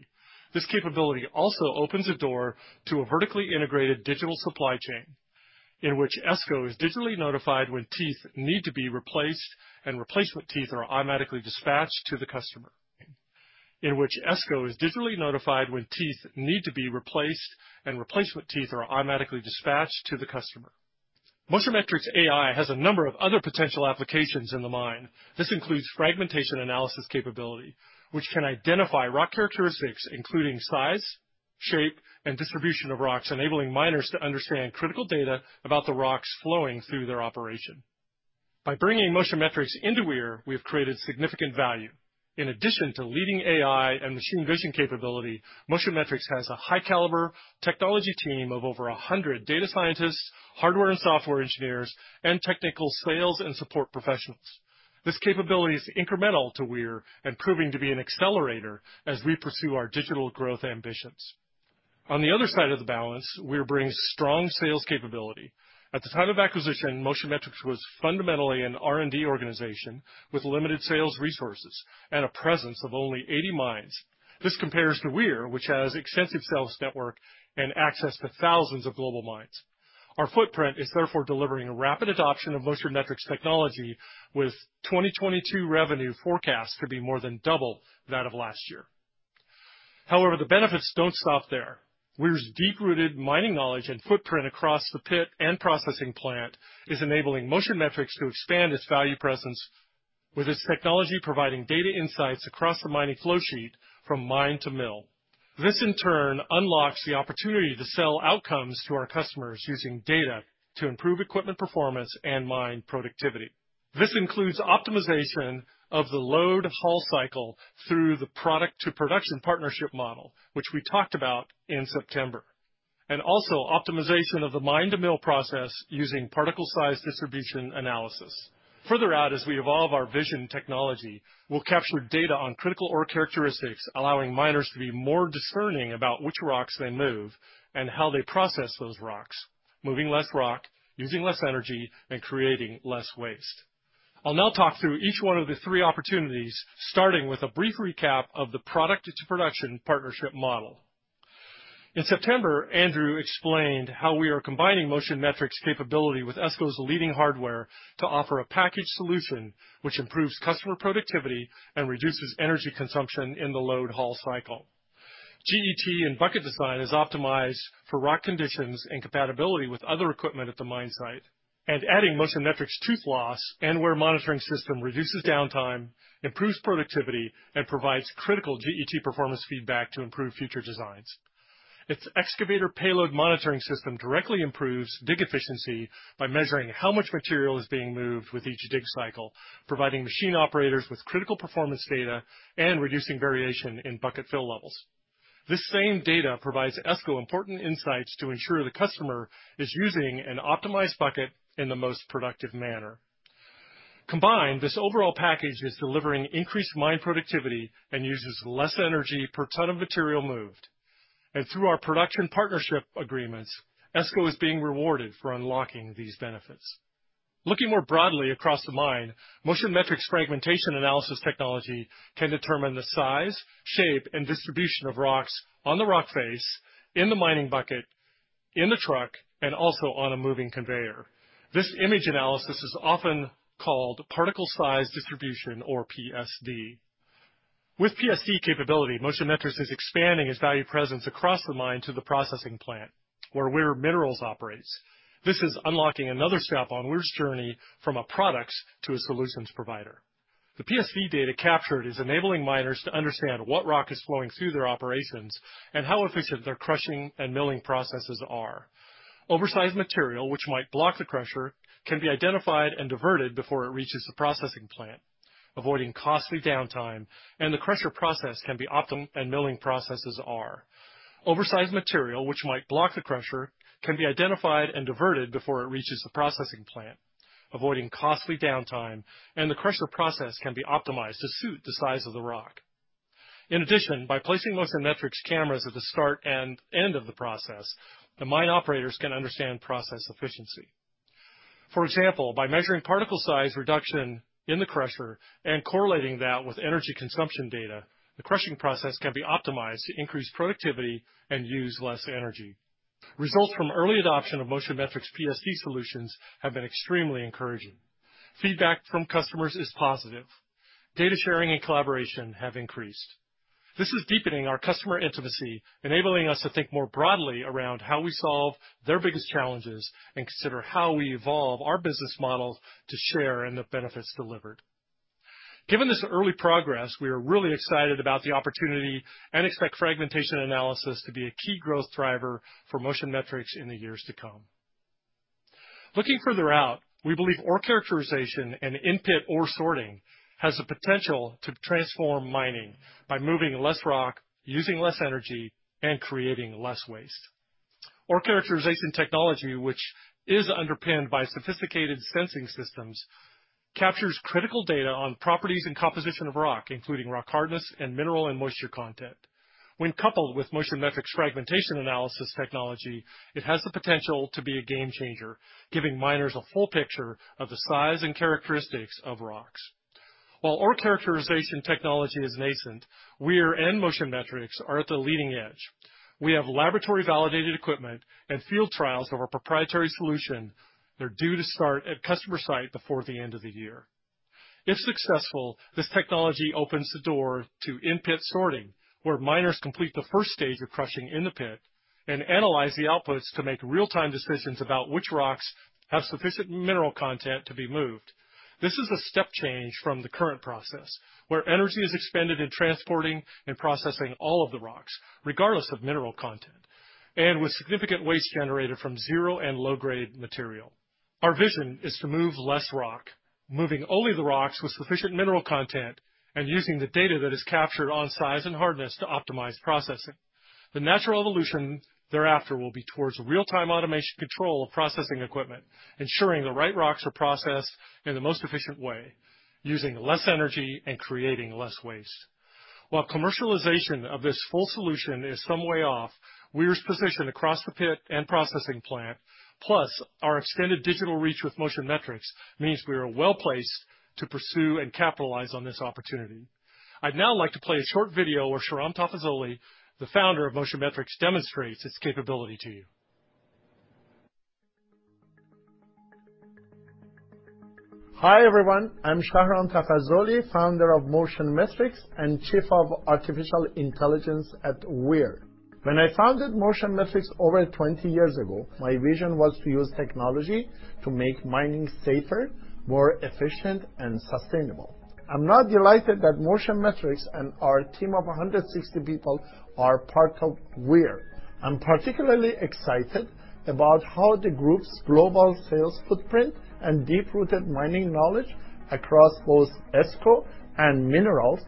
This capability also opens the door to a vertically integrated digital supply chain in which ESCO is digitally notified when teeth need to be replaced and replacement teeth are automatically dispatched to the customer. In which ESCO is digitally notified when teeth need to be replaced and replacement teeth are automatically dispatched to the customer. Motion Metrics AI has a number of other potential applications in the mine. This includes fragmentation analysis capability, which can identify rock characteristics including size, shape, and distribution of rocks, enabling miners to understand critical data about the rocks flowing through their operation. By bringing Motion Metrics into Weir, we have created significant value. In addition to leading AI and machine vision capability, Motion Metrics has a high caliber technology team of over 100 data scientists, hardware and software engineers, and technical sales and support professionals. This capability is incremental to Weir and proving to be an accelerator as we pursue our digital growth ambitions. On the other side of the balance, Weir brings strong sales capability. At the time of acquisition, Motion Metrics was fundamentally an R&D organization with limited sales resources and a presence of only 80 mines. This compares to Weir, which has extensive sales network and access to thousands of global mines. Our footprint is therefore delivering a rapid adoption of Motion Metrics technology with 2022 revenue forecast to be more than double that of last year. The benefits don't stop there. Weir's deep-rooted mining knowledge and footprint across the pit and processing plant is enabling Motion Metrics to expand its value presence with its technology providing data insights across the mining flow sheet from mine-to-mill. This in turn unlocks the opportunity to sell outcomes to our customers using data to improve equipment performance and mine productivity. This includes optimization of the load-haul cycle through the product-to-production partnership model, which we talked about in September, and also optimization of the mine-to-mill process using particle size distribution analysis. Further out, as we evolve our vision technology, we'll capture data on critical ore characteristics, allowing miners to be more discerning about which rocks they move and how they process those rocks, moving less rock, using less energy, and creating less waste. I'll now talk through each one of the three opportunities, starting with a brief recap of the product-to-production partnership model. In September, Andrew explained how we are combining Motion Metrics capability with ESCO's leading hardware to offer a package solution which improves customer productivity and reduces energy consumption in the load-haul cycle. GET and bucket design is optimized for rock conditions and compatibility with other equipment at the mine site. Adding Motion Metrics tooth loss and wear monitoring system reduces downtime, improves productivity, and provides critical GET performance feedback to improve future designs. Its excavator payload monitoring system directly improves dig efficiency by measuring how much material is being moved with each dig cycle, providing machine operators with critical performance data and reducing variation in bucket fill levels. This same data provides ESCO important insights to ensure the customer is using an optimized bucket in the most productive manner. Combined, this overall package is delivering increased mine productivity and uses less energy per ton of material moved. Through our production partnership agreements, ESCO is being rewarded for unlocking these benefits. Looking more broadly across the mine, Motion Metrics fragmentation analysis technology can determine the size, shape, and distribution of rocks on the rock face, in the mining bucket, in the truck, and also on a moving conveyor. This image analysis is often called particle size distribution, or PSD. With PSD capability, Motion Metrics is expanding its value presence across the mine to the processing plant where Weir Minerals operates. This is unlocking another step on Weir's journey from a product to a solutions provider. The PSD data captured is enabling miners to understand what rock is flowing through their operations and how efficient their crushing and milling processes are. Oversized material, which might block the crusher, can be identified and diverted before it reaches the processing plant, avoiding costly downtime, and milling processes are. Oversized material, which might block the crusher, can be identified and diverted before it reaches the processing plant, avoiding costly downtime, and the crusher process can be optimized to suit the size of the rock. In addition, by placing Motion Metrics cameras at the start and end of the process, the mine operators can understand process efficiency. For example, by measuring particle size reduction in the crusher and correlating that with energy consumption data, the crushing process can be optimized to increase productivity and use less energy. Results from early adoption of Motion Metrics PSD solutions have been extremely encouraging. Feedback from customers is positive. Data sharing and collaboration have increased. This is deepening our customer intimacy, enabling us to think more broadly around how we solve their biggest challenges and consider how we evolve our business model to share in the benefits delivered. Given this early progress, we are really excited about the opportunity and expect fragmentation analysis to be a key growth driver for Motion Metrics in the years to come. Looking further out, we believe ore characterization and in-pit ore sorting has the potential to transform mining by moving less rock, using less energy, and creating less waste. Ore characterization technology, which is underpinned by sophisticated sensing systems, captures critical data on properties and composition of rock, including rock hardness and mineral and moisture content. When coupled with Motion Metrics fragmentation analysis technology, it has the potential to be a game changer, giving miners a full picture of the size and characteristics of rocks. While ore characterization technology is nascent, Weir and Motion Metrics are at the leading edge. We have laboratory-validated equipment and field trials of our proprietary solution. They're due to start at customer site before the end of the year. If successful, this technology opens the door to in-pit sorting, where miners complete the first stage of crushing in the pit and analyze the outputs to make real-time decisions about which rocks have sufficient mineral content to be moved. This is a step change from the current process, where energy is expended in transporting and processing all of the rocks, regardless of mineral content, and with significant waste generated from zero and low-grade material. Our vision is to move less rock, moving only the rocks with sufficient mineral content, and using the data that is captured on size and hardness to optimize processing. The natural evolution thereafter will be towards real-time automation control of processing equipment, ensuring the right rocks are processed in the most efficient way, using less energy and creating less waste. While commercialization of this full solution is some way off, Weir's position across the pit and processing plant, plus our extended digital reach with Motion Metrics, means we are well placed to pursue and capitalize on this opportunity. I'd now like to play a short video where Shahram Tafazoli, the Founder of Motion Metrics, demonstrates its capability to you. Hi, everyone. I'm Shahram Tafazoli, founder of Motion Metrics and Chief of Artificial Intelligence at Weir. When I founded Motion Metrics over 20 years ago, my vision was to use technology to make mining safer, more efficient, and sustainable. I'm now delighted that Motion Metrics and our team of 160 people are part of Weir. I'm particularly excited about how the group's global sales footprint and deep-rooted mining knowledge across both ESCO and Minerals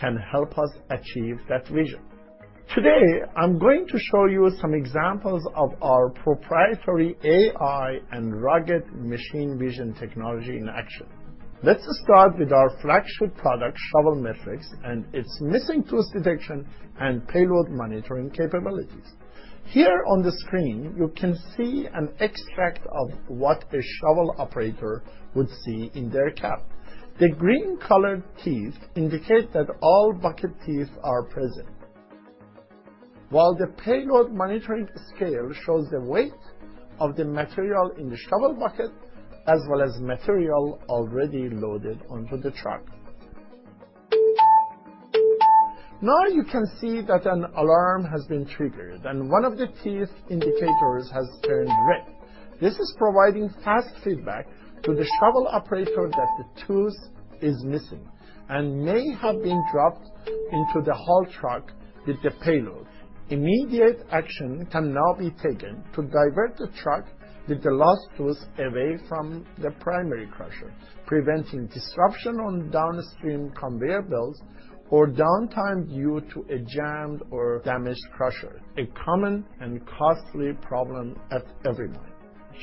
can help us achieve that vision. Today, I'm going to show you some examples of our proprietary AI and rugged machine vision technology in action. Let's start with our flagship product, ShovelMetrics, and its missing tools detection and payload monitoring capabilities. Here on the screen, you can see an extract of what a shovel operator would see in their cab. The green colored teeth indicate that all bucket teeth are present. The payload monitoring scale shows the weight of the material in the shovel bucket, as well as material already loaded onto the truck. You can see that an alarm has been triggered and one of the teeth indicators has turned red. This is providing fast feedback to the shovel operator that the tooth is missing and may have been dropped into the haul truck with the payload. Immediate action can now be taken to divert the truck with the lost tooth away from the primary crusher, preventing disruption on downstream conveyor belts or downtime due to a jammed or damaged crusher, a common and costly problem at every mine.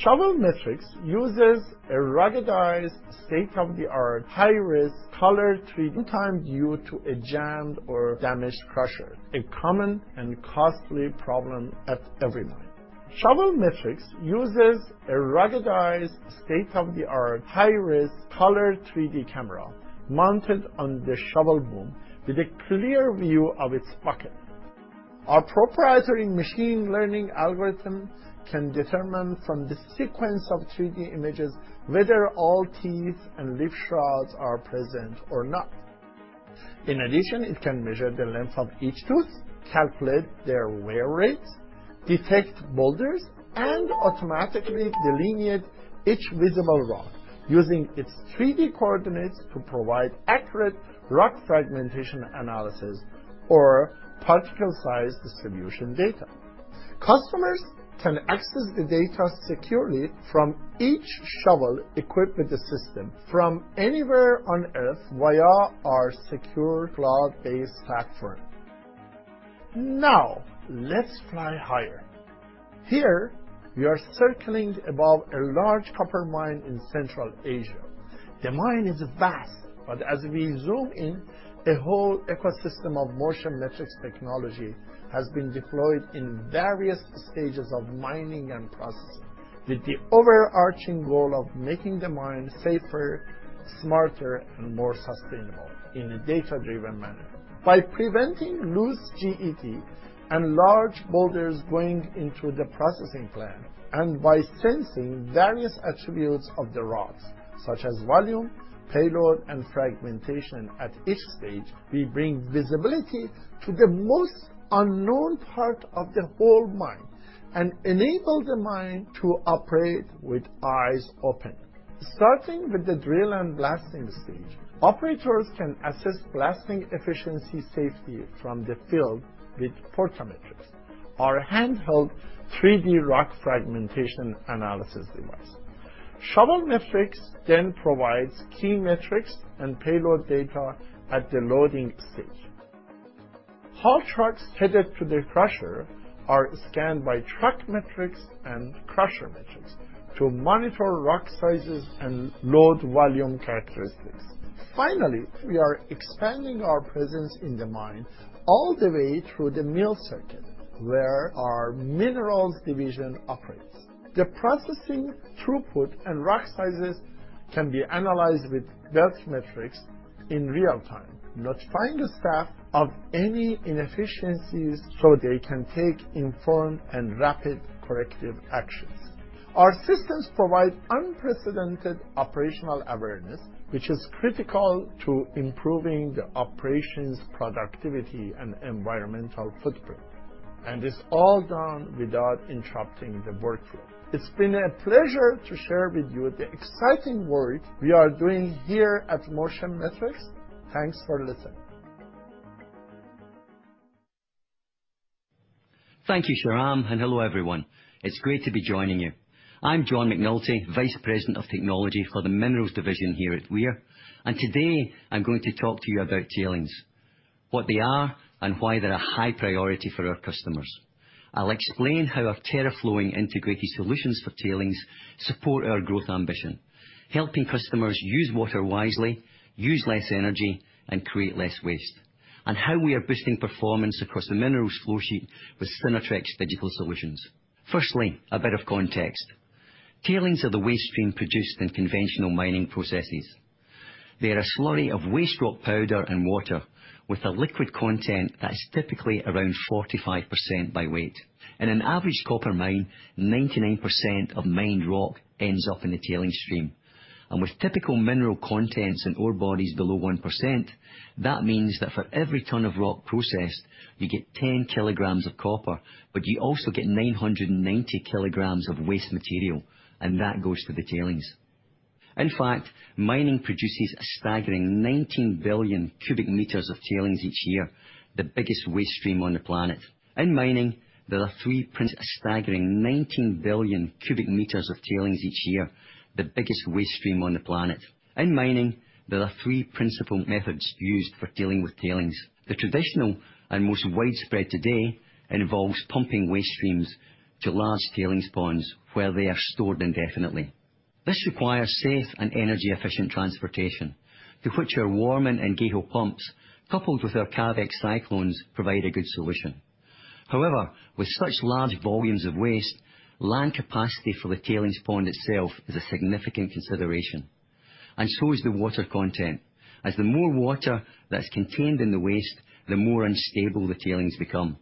ShovelMetrics uses a ruggedized state-of-the-art high-res color. ShovelMetrics uses a ruggedized state-of-the-art high-res color 3D camera mounted on the shovel boom with a clear view of its bucket. Our proprietary machine learning algorithm can determine from the sequence of 3D images whether all teeth and lip shrouds are present or not. In addition, it can measure the length of each tooth, calculate their wear rates, detect boulders, and automatically delineate each visible rock using its 3D coordinates to provide accurate rock fragmentation analysis or particle size distribution data. Customers can access the data securely from each shovel equipped with the system from anywhere on Earth via our secure cloud-based platform. Now, let's fly higher. Here, we are circling above a large copper mine in Central Asia. The mine is vast, but as we zoom in, a whole ecosystem of Motion Metrics technology has been deployed in various stages of mining and processing, with the overarching goal of making the mine safer, smarter, and more sustainable in a data-driven manner. By preventing loose GED and large boulders going into the processing plant, and by sensing various attributes of the rocks, such as volume, payload, and fragmentation at each stage, we bring visibility to the most unknown part of the whole mine and enable the mine to operate with eyes open. Starting with the drill-and-blasting stage, operators can assess blasting efficiency safely from the field with PortaMetrics, our handheld 3D rock fragmentation analysis device. ShovelMetrics then provides key metrics and payload data at the loading stage. Haul trucks headed to the crusher are scanned by TruckMetrics and CrusherMetrics to monitor rock sizes and load volume characteristics. Finally, we are expanding our presence in the mine all the way through the mill circuit, where our Weir Minerals division operates. The processing throughput and rock sizes can be analyzed with BeltMetrics in real time, notifying the staff of any inefficiencies so they can take informed and rapid corrective actions. Our systems provide unprecedented operational awareness, which is critical to improving the operations, productivity, and environmental footprint. It's all done without interrupting the workflow. It's been a pleasure to share with you the exciting work we are doing here at Motion Metrics. Thanks for listening. Thank you, Shahram. Hello, everyone. It's great to be joining you. I'm John McNulty, Vice President of Technology for the Minerals division here at Weir. Today, I'm going to talk to you about tailings, what they are and why they're a high priority for our customers. I'll explain how our TerraFlowing integrated solutions for tailings support our growth ambition, helping customers use water wisely, use less energy, and create less waste, and how we are boosting performance across the minerals flow sheet with Synertrex digital solutions. Firstly, a bit of context. Tailings are the waste stream produced in conventional mining processes. They are a slurry of waste rock powder and water with a liquid content that's typically around 45% by weight. In an average copper mine, 99% of mined rock ends up in the tailing stream. With typical mineral contents and ore bodies below 1%, that means that for every ton of rock processed, you get 10 kilograms of copper, but you also get 990 kilograms of waste material, and that goes to the tailings. In fact, mining produces a staggering 19 billion cu. m of tailings each year, the biggest waste stream on the planet. In mining, there are three principal methods used for dealing with tailings. The traditional and most widespread today involves pumping waste streams to large tailings ponds where they are stored indefinitely. This requires safe and energy-efficient transportation to which our Warman and GEHO pumps, coupled with our Cavex cyclones, provide a good solution. However, with such large volumes of waste, land capacity for the tailings pond itself is a significant consideration, and so is the water content. The more water that's contained in the waste, the more unstable the tailings become.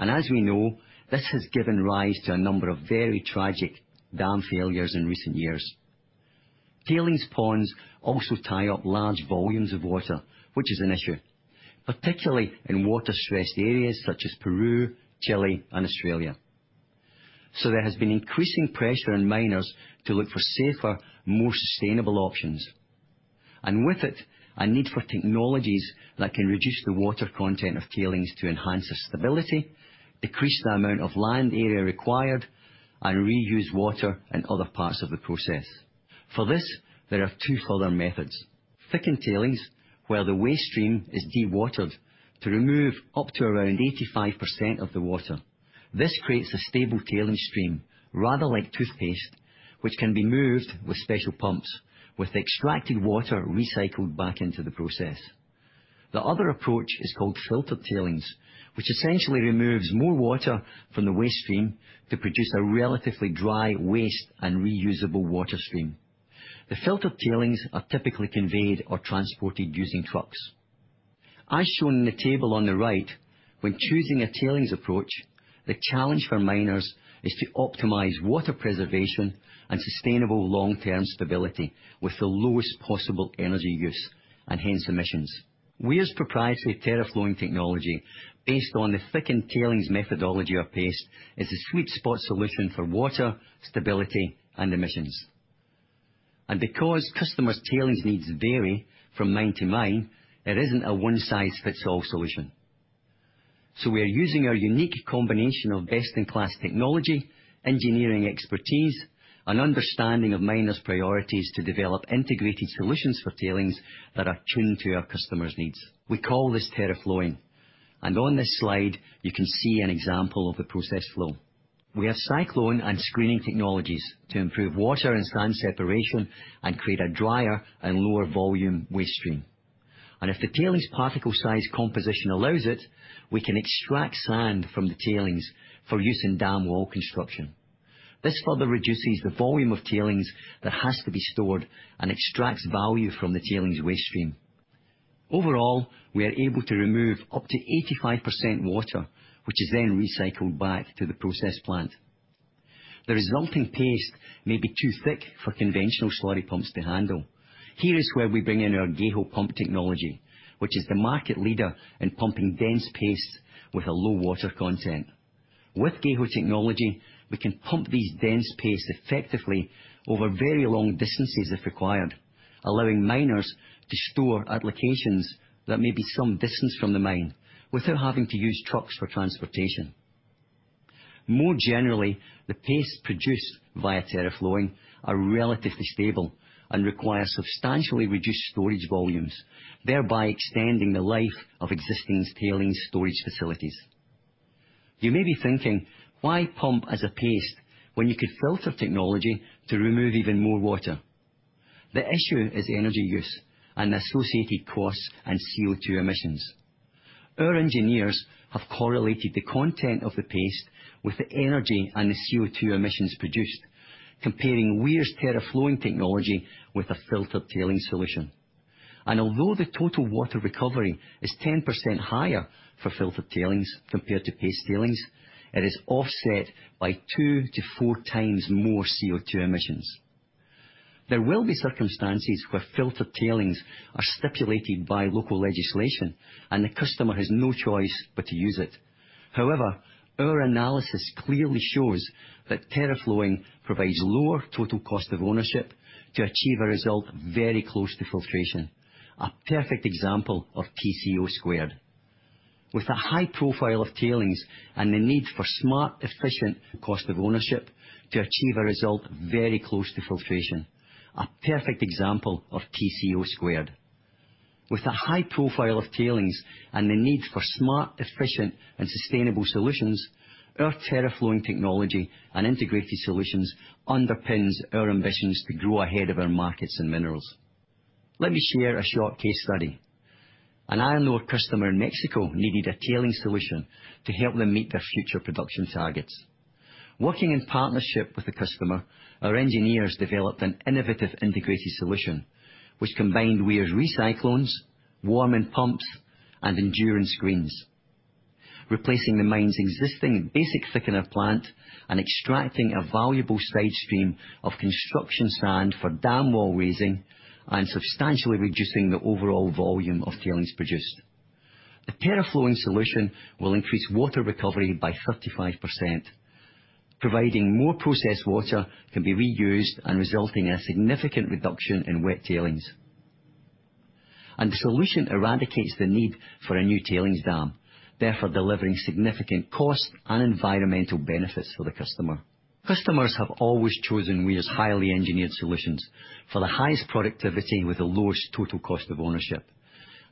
As we know, this has given rise to a number of very tragic dam failures in recent years. Tailings ponds also tie up large volumes of water, which is an issue, particularly in water-stressed areas such as Peru, Chile, and Australia. There has been increasing pressure on miners to look for safer, more sustainable options. With it, a need for technologies that can reduce the water content of tailings to enhance the stability, decrease the amount of land area required, and reuse water in other parts of the process. For this, there are two further methods. Thickened tailings, where the waste stream is dewatered to remove up to around 85% of the water. This creates a stable tailings stream, rather like toothpaste, which can be moved with special pumps with the extracted water recycled back into the process. The other approach is called filtered tailings, which essentially removes more water from the waste stream to produce a relatively dry waste and reusable water stream. The filtered tailings are typically conveyed or transported using trucks. As shown in the table on the right, when choosing a tailings approach, the challenge for miners is to optimize water preservation and sustainable long-term stability with the lowest possible energy use, and hence emissions. Weir's proprietary TerraFlowing technology, based on the thickened tailings methodology or paste, is a sweet spot solution for water, stability, and emissions. Because customers' tailings needs vary from mine to mine, there isn't a one-size-fits-all solution. We are using our unique combination of best-in-class technology, engineering expertise, and understanding of miners' priorities to develop integrated solutions for tailings that are tuned to our customers' needs. We call this TerraFlowing, and on this slide, you can see an example of the process flow. We have cyclone and screening technologies to improve water and sand separation and create a drier and lower volume waste stream. If the tailings particle size composition allows it, we can extract sand from the tailings for use in dam wall construction. This further reduces the volume of tailings that has to be stored and extracts value from the tailings waste stream. Overall, we are able to remove up to 85% water, which is then recycled back to the process plant. The resulting paste may be too thick for conventional slurry pumps to handle. Here is where we bring in our GEHO pump technology, which is the market leader in pumping dense paste with a low water content. With GEHO technology, we can pump these dense paste effectively over very long distances if required, allowing miners to store at locations that may be some distance from the mine without having to use trucks for transportation. More generally, the pastes produced via TerraFlowing are relatively stable and require substantially reduced storage volumes, thereby extending the life of existing tailings storage facilities. You may be thinking, "Why pump as a paste when you could filter technology to remove even more water?" The issue is energy use and the associated costs and CO₂ emissions. Our engineers have correlated the content of the paste with the energy and the CO₂ emissions produced, comparing Weir's TerraFlowing technology with a filtered tailings solution. Although the total water recovery is 10% higher for filtered tailings compared to paste tailings, it is offset by 2 to 4 times more CO₂ emissions. There will be circumstances where filtered tailings are stipulated by local legislation and the customer has no choice but to use it. Our analysis clearly shows that TerraFlowing provides lower total cost of ownership to achieve a result very close to filtration. A perfect example of TCO². With the high profile of tailings and the need for smart, efficient. With the high profile of tailings and the need for smart, efficient, and sustainable solutions, our TerraFlowing technology and integrated solutions underpins our ambitions to grow ahead of our markets and minerals. Let me share a short case study. An iron ore customer in Mexico needed a tailing solution to help them meet their future production targets. Working in partnership with the customer, our engineers developed an innovative integrated solution which combined Weir's cyclones, Warman pumps, and Enduron screens, replacing the mine's existing basic thickener plant and extracting a valuable side stream of construction sand for dam wall raising and substantially reducing the overall volume of tailings produced. The TerraFlowing solution will increase water recovery by 35%, providing more processed water can be reused and resulting in significant reduction in wet tailings. The solution eradicates the need for a new tailings dam, therefore delivering significant cost and environmental benefits for the customer. Customers have always chosen Weir's highly engineered solutions for the highest productivity with the lowest total cost of ownership.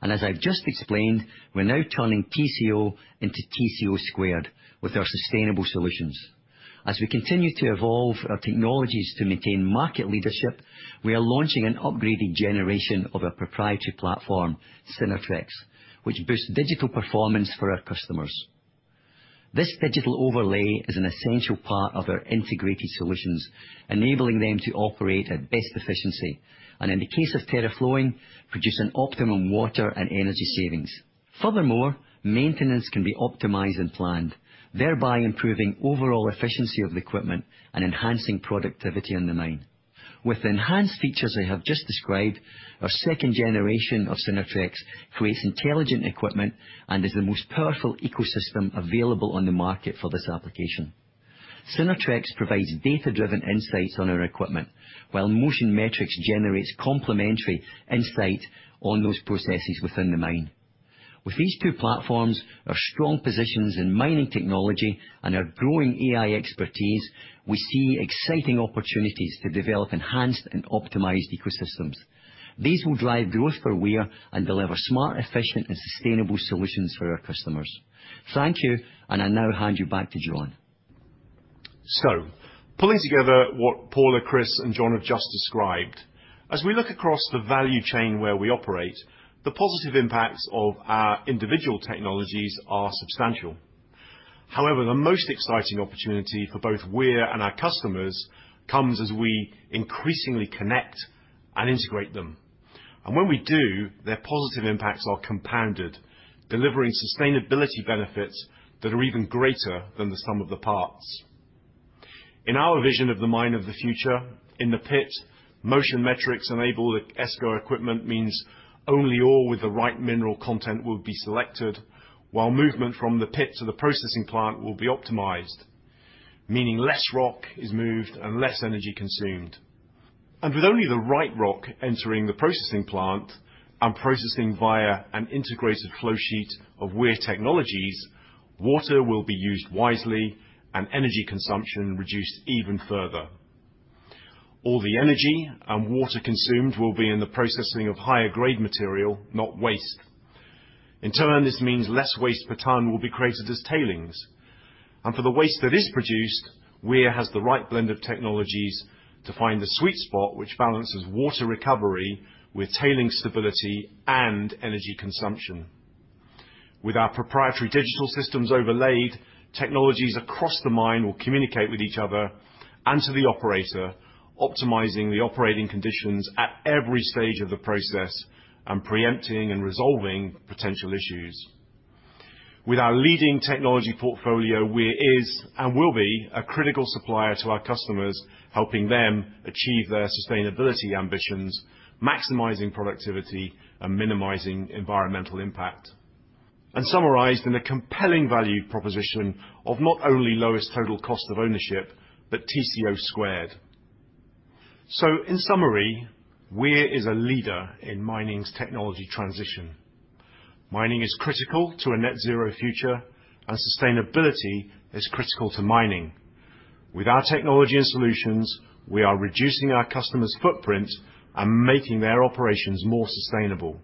As I've just explained, we're now turning TCO into TCO² with our sustainable solutions. As we continue to evolve our technologies to maintain market leadership, we are launching an upgraded generation of our proprietary platform, Synertrex, which boosts digital performance for our customers. This digital overlay is an essential part of our integrated solutions, enabling them to operate at best efficiency, and in the case of TerraFlowing, producing optimum water and energy savings. Maintenance can be optimized and planned, thereby improving overall efficiency of the equipment and enhancing productivity on the mine. With the enhanced features I have just described, our second generation of Synertrex creates intelligent equipment and is the most powerful ecosystem available on the market for this application. Synertrex provides data-driven insights on our equipment, while Motion Metrics generates complementary insight on those processes within the mine. With these two platforms, our strong positions in mining technology and our growing AI expertise, we see exciting opportunities to develop enhanced and optimized ecosystems. These will drive growth for Weir and deliver smart, efficient and sustainable solutions for our customers. Thank you. I now hand you back to Jon. Pulling together what Paula, Chris, and John have just described, as we look across the value chain where we operate, the positive impacts of our individual technologies are substantial. However, the most exciting opportunity for both Weir and our customers comes as we increasingly connect and integrate them. When we do, their positive impacts are compounded, delivering sustainability benefits that are even greater than the sum of the parts. In our vision of the mine of the future, in the pit, Motion Metrics enable the ESCO equipment means only ore with the right mineral content will be selected, while movement from the pit to the processing plant will be optimized, meaning less rock is moved and less energy consumed. With only the right rock entering the processing plant and processing via an integrated flow sheet of Weir technologies, water will be used wisely and energy consumption reduced even further. All the energy and water consumed will be in the processing of higher grade material, not waste. In turn, this means less waste per ton will be created as tailings. For the waste that is produced, Weir has the right blend of technologies to find the sweet spot which balances water recovery with tailing stability and energy consumption. With our proprietary digital systems overlaid, technologies across the mine will communicate with each other and to the operator, optimizing the operating conditions at every stage of the process and preempting and resolving potential issues. With our leading technology portfolio, Weir is and will be a critical supplier to our customers, helping them achieve their sustainability ambitions, maximizing productivity and minimizing environmental impact, and summarized in a compelling value proposition of not only lowest total cost of ownership, but TCO². In summary, Weir is a leader in mining's technology transition. Mining is critical to a net zero future and sustainability is critical to mining. With our technology and solutions, we are reducing our customers' footprint and making their operations more sustainable.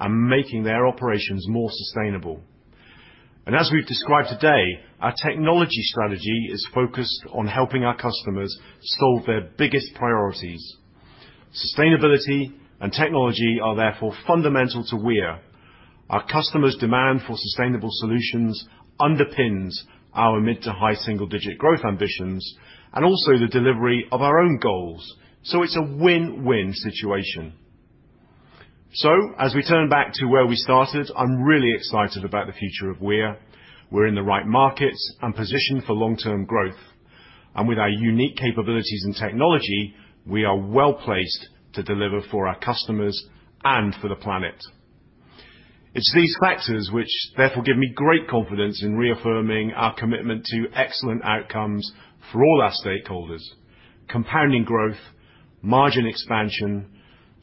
As we've described today, our technology strategy is focused on helping our customers solve their biggest priorities. Sustainability and technology are therefore fundamental to Weir. Our customers' demand for sustainable solutions underpins our mid to high single-digit growth ambitions and also the delivery of our own goals. It's a win-win situation. As we turn back to where we started, I'm really excited about the future of Weir. We're in the right markets and positioned for long-term growth. With our unique capabilities in technology, we are well-placed to deliver for our customers and for the planet. It's these factors which therefore give me great confidence in reaffirming our commitment to excellent outcomes for all our stakeholders: compounding growth, margin expansion,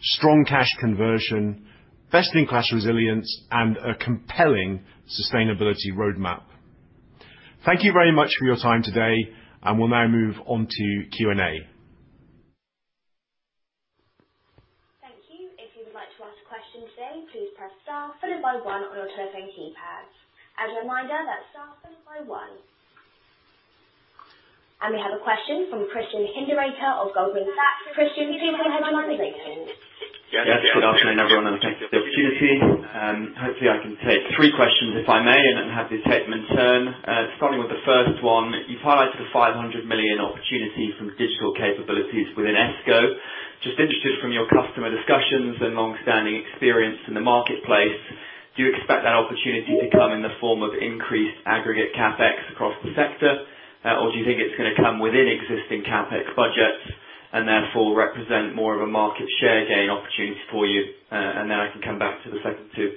strong cash conversion, best-in-class resilience, and a compelling sustainability roadmap. Thank you very much for your time today, and we'll now move on to Q&A. Thank you. If you would like to ask questions today please press star followed by one on your telephone keypad. As a reminder, that's star then by one. We have a question from Christian Hinderaker of Goldman Sachs. Christian, you too can go ahead to the listening queue. Yes, good afternoon, everyone. Thank you for the opportunity. Hopefully, I can take three questions, if I may, and then have the statement in turn. Starting with the first one, you've highlighted the 500 million opportunity from digital capabilities within ESCO. Just interested from your customer discussions and long-standing experience in the marketplace, do you expect that opportunity to come in the form of increased aggregate CapEx across the sector? Do you think it's gonna come within existing CapEx budgets and therefore represent more of a market share gain opportunity for you? Then I can come back to the second two.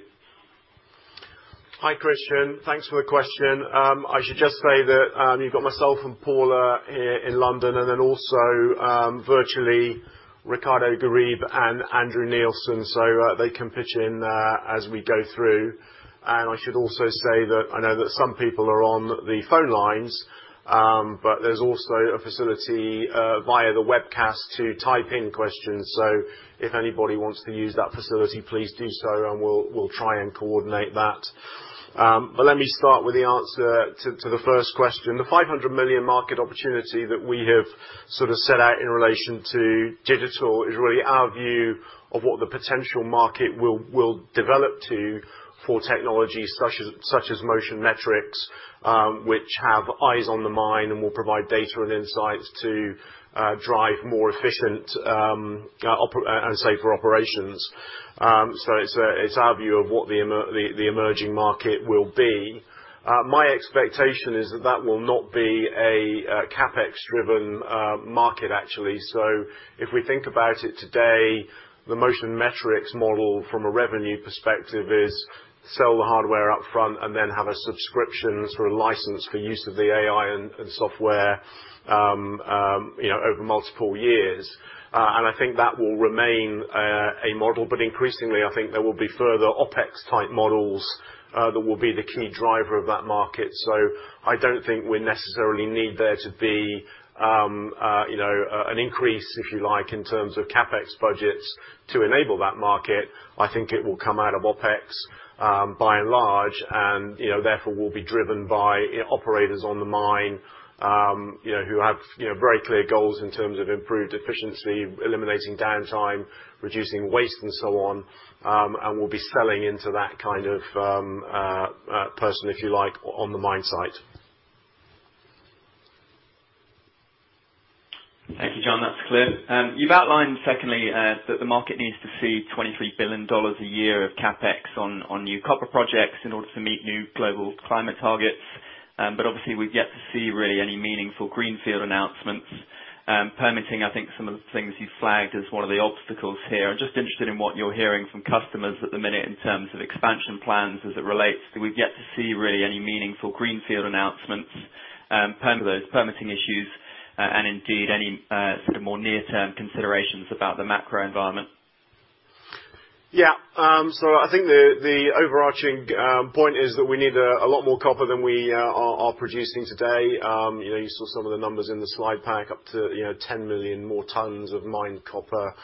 Hi, Christian. Thanks for the question. I should just say that you've got myself and Paula here in London, then also, virtually Ricardo Garib and Andrew Neilson, they can pitch in as we go through. I should also say that I know that some people are on the phone lines, there's also a facility via the webcast to type in questions. If anybody wants to use that facility, please do so, and we'll try and coordinate that. Let me start with the answer to the first question. The 500 million market opportunity that we have sort of set out in relation to digital is really our view of what the potential market will develop to for technologies such as Motion Metrics, which have eyes on the mine and will provide data and insights to drive more efficient and safer operations. It's our view of what the emerging market will be. My expectation is that that will not be a CapEx driven market, actually. If we think about it today, the Motion Metrics model from a revenue perspective is sell the hardware up front and then have a subscription, sort of license for use of the AI and software, you know, over multiple years. I think that will remain a model, but increasingly, I think there will be further OpEx type models that will be the key driver of that market. I don't think we necessarily need there to be, you know, an increase, if you like, in terms of CapEx budgets to enable that market. I think it will come out of OpEx, by and large, and you know, therefore will be driven by operators on the mine, you know, who have, you know, very clear goals in terms of improved efficiency, eliminating downtime, reducing waste and so on, and we'll be selling into that kind of person, if you like, on the mine site. Thank you, Jon. That's clear. You've outlined secondly, that the market needs to see $23 billion a year of CapEx on new copper projects in order to meet new global climate targets. Obviously we've yet to see really any meaningful greenfield announcements. Permitting, I think some of the things you flagged as one of the obstacles here. I'm just interested in what you're hearing from customers at the minute in terms of expansion plans as it relates, that we've yet to see really any meaningful greenfield announcements, those permitting issues, and indeed any sort of more near-term considerations about the macro environment. Yeah. I think the overarching point is that we need a lot more copper than we are producing today. You know, you saw some of the numbers in the slide pack up to, you know, 10 million more tons of mined copper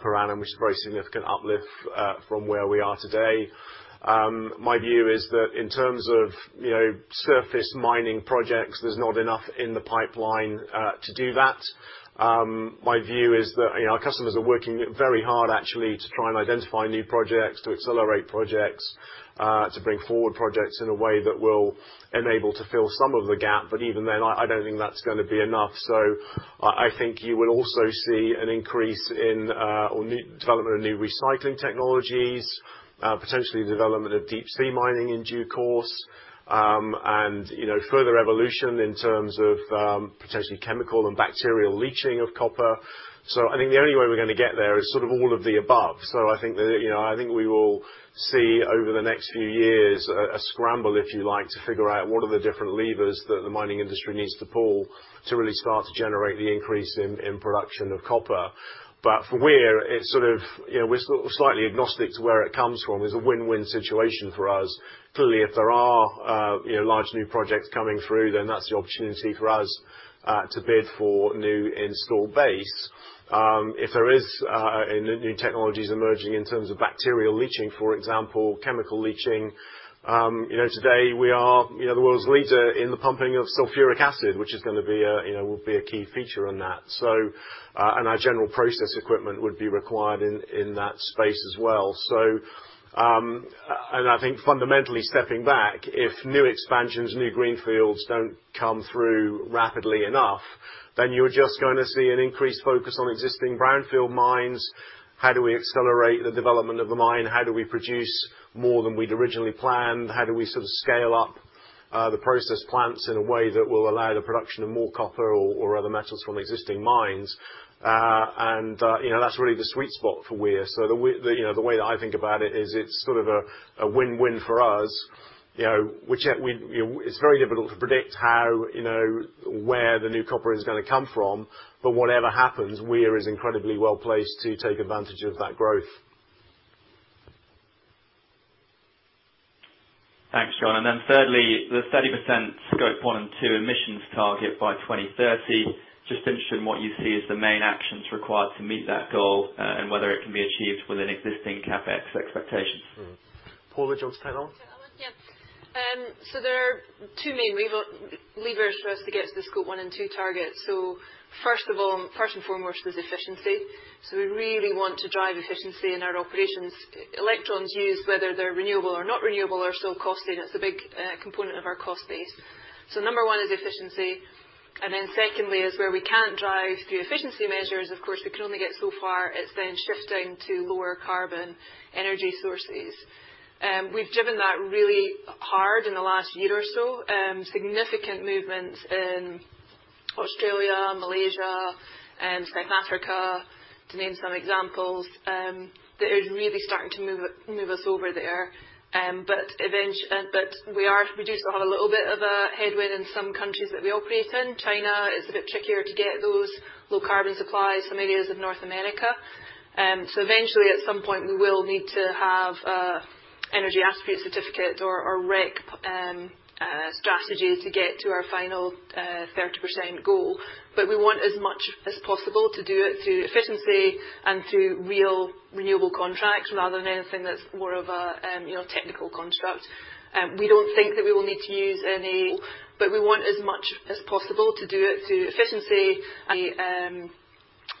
per annum, which is a very significant uplift from where we are today. My view is that in terms of, you know, surface mining projects, there's not enough in the pipeline to do that. My view is that, you know, our customers are working very hard actually to try and identify new projects, to accelerate projects, to bring forward projects in a way that will enable to fill some of the gap. Even then, I don't think that's gonna be enough. I think you will also see an increase in, or need development of new recycling technologies, potentially development of deep sea mining in due course, and, you know, further evolution in terms of, potentially chemical and bacterial leaching of copper. I think the only way we're gonna get there is sort of all of the above. I think that, you know, I think we will see over the next few years a scramble, if you like, to figure out what are the different levers that the mining industry needs to pull to really start to generate the increase in production of copper. For Weir, it's sort of, you know, we're sort of slightly agnostic to where it comes from. There's a win-win situation for us. Clearly, if there are, you know, large new projects coming through, then that's the opportunity for us to bid for new install base. If there is new technologies emerging in terms of bacterial leaching, for example, chemical leaching, you know, today we are, you know, the world's leader in the pumping of sulfuric acid, which is gonna be a, you know, will be a key feature in that. Our general process equipment would be required in that space as well. I think fundamentally stepping back, if new expansions, new Greenfields don't come through rapidly enough, then you're just gonna see an increased focus on existing brownfield mines. How do we accelerate the development of the mine? How do we produce more than we'd originally planned? How do we sort of scale up, the process plants in a way that will allow the production of more copper or other metals from existing mines? You know, that's really the sweet spot for Weir. You know, the way that I think about it is it's sort of a win-win for us, you know, which, You know, it's very difficult to predict how, you know, where the new copper is gonna come from, Whatever happens, Weir is incredibly well placed to take advantage of that growth. Thanks, Jon. Thirdly, the 30% Scope 1 and 2 emissions target by 2030. Just interested in what you see as the main actions required to meet that goal, and whether it can be achieved within existing CapEx expectations? Mm-hmm. Paula, do you want to start off? Yeah. There are two main levers for us to get to the Scope 1 and 2 targets. First of all, first and foremost is efficiency. We really want to drive efficiency in our operations. Electrons used, whether they're renewable or not renewable, are still costly, and it's a big component of our cost base. Number one is efficiency. Then secondly is where we can't drive through efficiency measures, of course, we can only get so far. It's then shifting to lower carbon energy sources. We've driven that really hard in the last year or so. Significant movements in Australia, Malaysia, South Africa, to name some examples, that is really starting to move us over there. We do still have a little bit of a headwind in some countries that we operate in. China is a bit trickier to get those low carbon supplies. Some areas of North America. Eventually at some point, we will need to have Energy Attribute Certificate or REC strategy to get to our final 30% goal. We want as much as possible to do it through efficiency and through real renewable contracts rather than anything that's more of a, you know, technical construct. We don't think that we will need to use any, but we want as much as possible to do it through efficiency.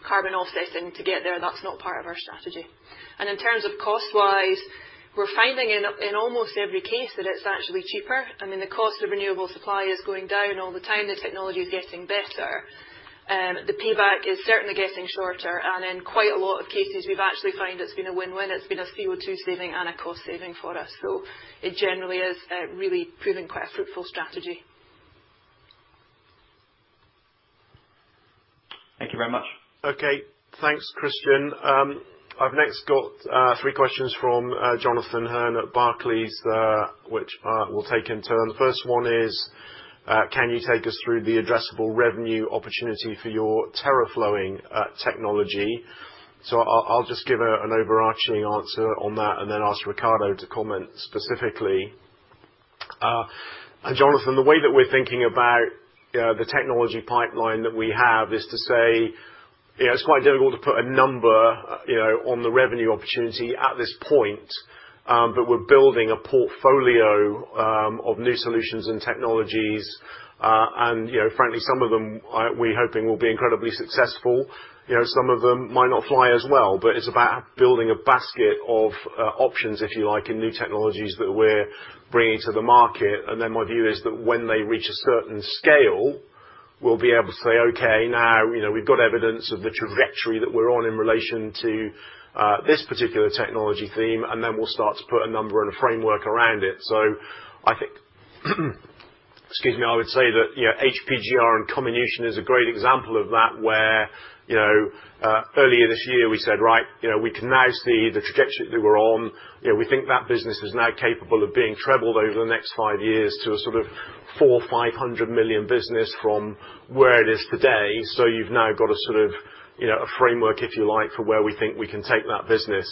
Carbon offsetting to get there. That's not part of our strategy. In terms of cost-wise, we're finding in almost every case that it's actually cheaper. I mean, the cost of renewable supply is going down all the time. The technology is getting better. The payback is certainly getting shorter. In quite a lot of cases, we've actually found it's been a win-win. It's been a CO₂ saving and a cost saving for us. It generally is really proving quite a fruitful strategy. Thank you very much. Okay, thanks, Christian. I've next got three questions from Jonathan Hurn at Barclays, which we'll take in turn. The first one is, can you take us through the addressable revenue opportunity for your TerraFlowing technology? I'll just give an overarching answer on that and then ask Ricardo to comment specifically. Jonathan, the way that we're thinking about, you know, the technology pipeline that we have is to say, you know, it's quite difficult to put a number, you know, on the revenue opportunity at this point. We're building a portfolio of new solutions and technologies. You know, frankly, some of them we're hoping will be incredibly successful. You know, some of them might not fly as well, but it's about building a basket of options, if you like, in new technologies that we're bringing to the market. Then my view is that when they reach a certain scale, we'll be able to say, "Okay, now, you know, we've got evidence of the trajectory that we're on in relation to this particular technology theme," and then we'll start to put a number and a framework around it. Excuse me. I would say that, you know, HPGR and comminution is a great example of that, where, you know, earlier this year we said, "Right, you know, we can now see the trajectory that we're on. You know, we think that business is now capable of being trebled over the next five years to a sort of 400 million-500 million business from where it is today. You've now got a sort of, you know, a framework, if you like, for where we think we can take that business.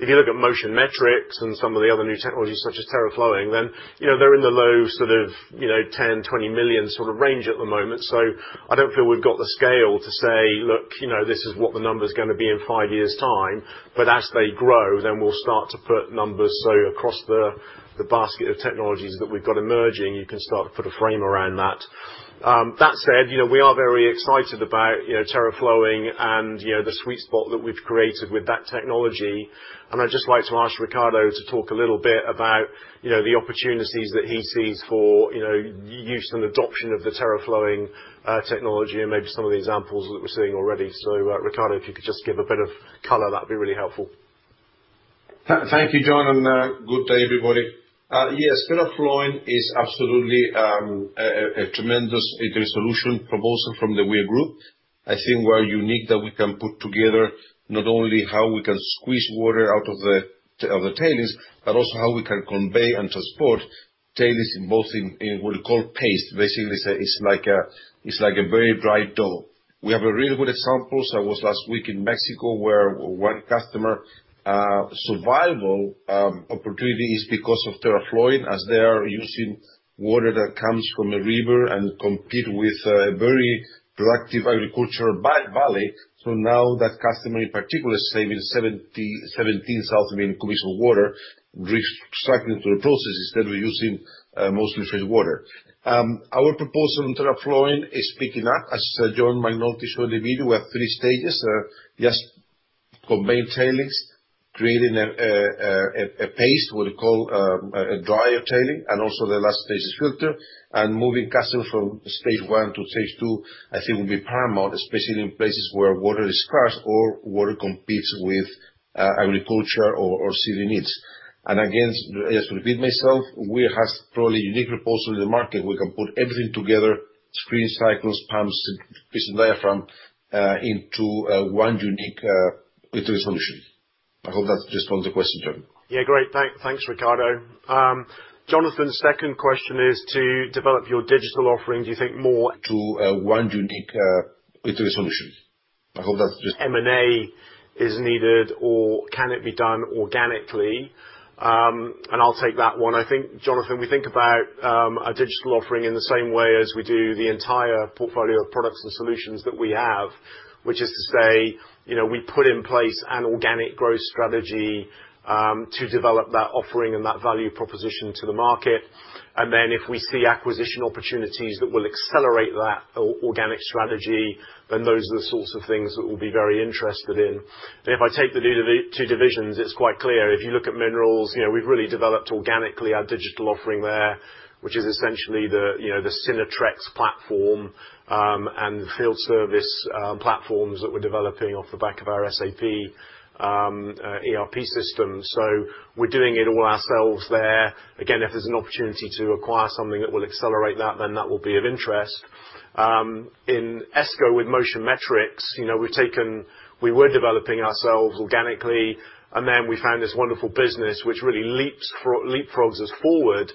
If you look at Motion Metrics and some of the other new technologies such as Terraflowing, then, you know, they're in the low sort of, you know, 10 million-20 million sort of range at the moment. I don't feel we've got the scale to say, "Look, you know, this is what the number's gonna be in five years' time." As they grow, then we'll start to put numbers. Across the basket of technologies that we've got emerging, you can start to put a frame around that. That said, you know, we are very excited about, you know, TerraFlowing and, you know, the sweet spot that we've created with that technology. I'd just like to ask Ricardo to talk a little bit about, you know, the opportunities that he sees for, you know, use and adoption of the TerraFlowing technology and maybe some of the examples that we're seeing already. Ricardo, if you could just give a bit of color, that'd be really helpful. Thank you, Jon. Good day, everybody. Yes, TerraFlowing is absolutely a tremendous integrated solution proposal from The Weir Group. I think we're unique that we can put together not only how we can squeeze water out of the tailings, but also how we can convey and transport tailings in what we call paste. Basically, it's like a very dry dough. We have a really good example. I was last week in Mexico where one customer survival opportunity is because of TerraFlowing as they are using water that comes from a river and compete with a very productive agricultural valley. Now that customer in particular is saving 17,000 cubic of water, recycling through the process instead of using mostly fresh water. Our proposal on TerraFlowing is picking up. As Jon might notice from the video, we have three stages. Just combine tailings, creating a paste, what we call, a drier tailing and also the last stage's filter. Moving customer from stage 1 to stage 2, I think will be paramount, especially in places where water is scarce or water competes with agriculture or city needs. Again, just to repeat myself, Weir has probably a unique proposal in the market. We can put everything together, screen, cycles, pumps, piston diaphragm, into one unique integrated solution. I hope that just answers the question, John. Yeah, great. Thanks, Ricardo. Jonathan's second question is to develop your digital offering. Do you think more-? To, one unique, integrated solution. I hope that's just-. M&A is needed or can it be done organically? I'll take that one. I think, Jonathan, we think about our digital offering in the same way as we do the entire portfolio of products and solutions that we have. Which is to say, you know, we put in place an organic growth strategy to develop that offering and that value proposition to the market. If we see acquisition opportunities that will accelerate that or organic strategy, then those are the sorts of things that we'll be very interested in. If I take the two divisions, it's quite clear. If you look at minerals, you know, we've really developed organically our digital offering there, which is essentially the, you know, the Synertrex platform and field service platforms that we're developing off the back of our SAP ERP system. We're doing it all ourselves there. Again, if there's an opportunity to acquire something that will accelerate that, then that will be of interest. In ESCO with Motion Metrics, you know, we were developing ourselves organically, and then we found this wonderful business which really leapfrogs us forward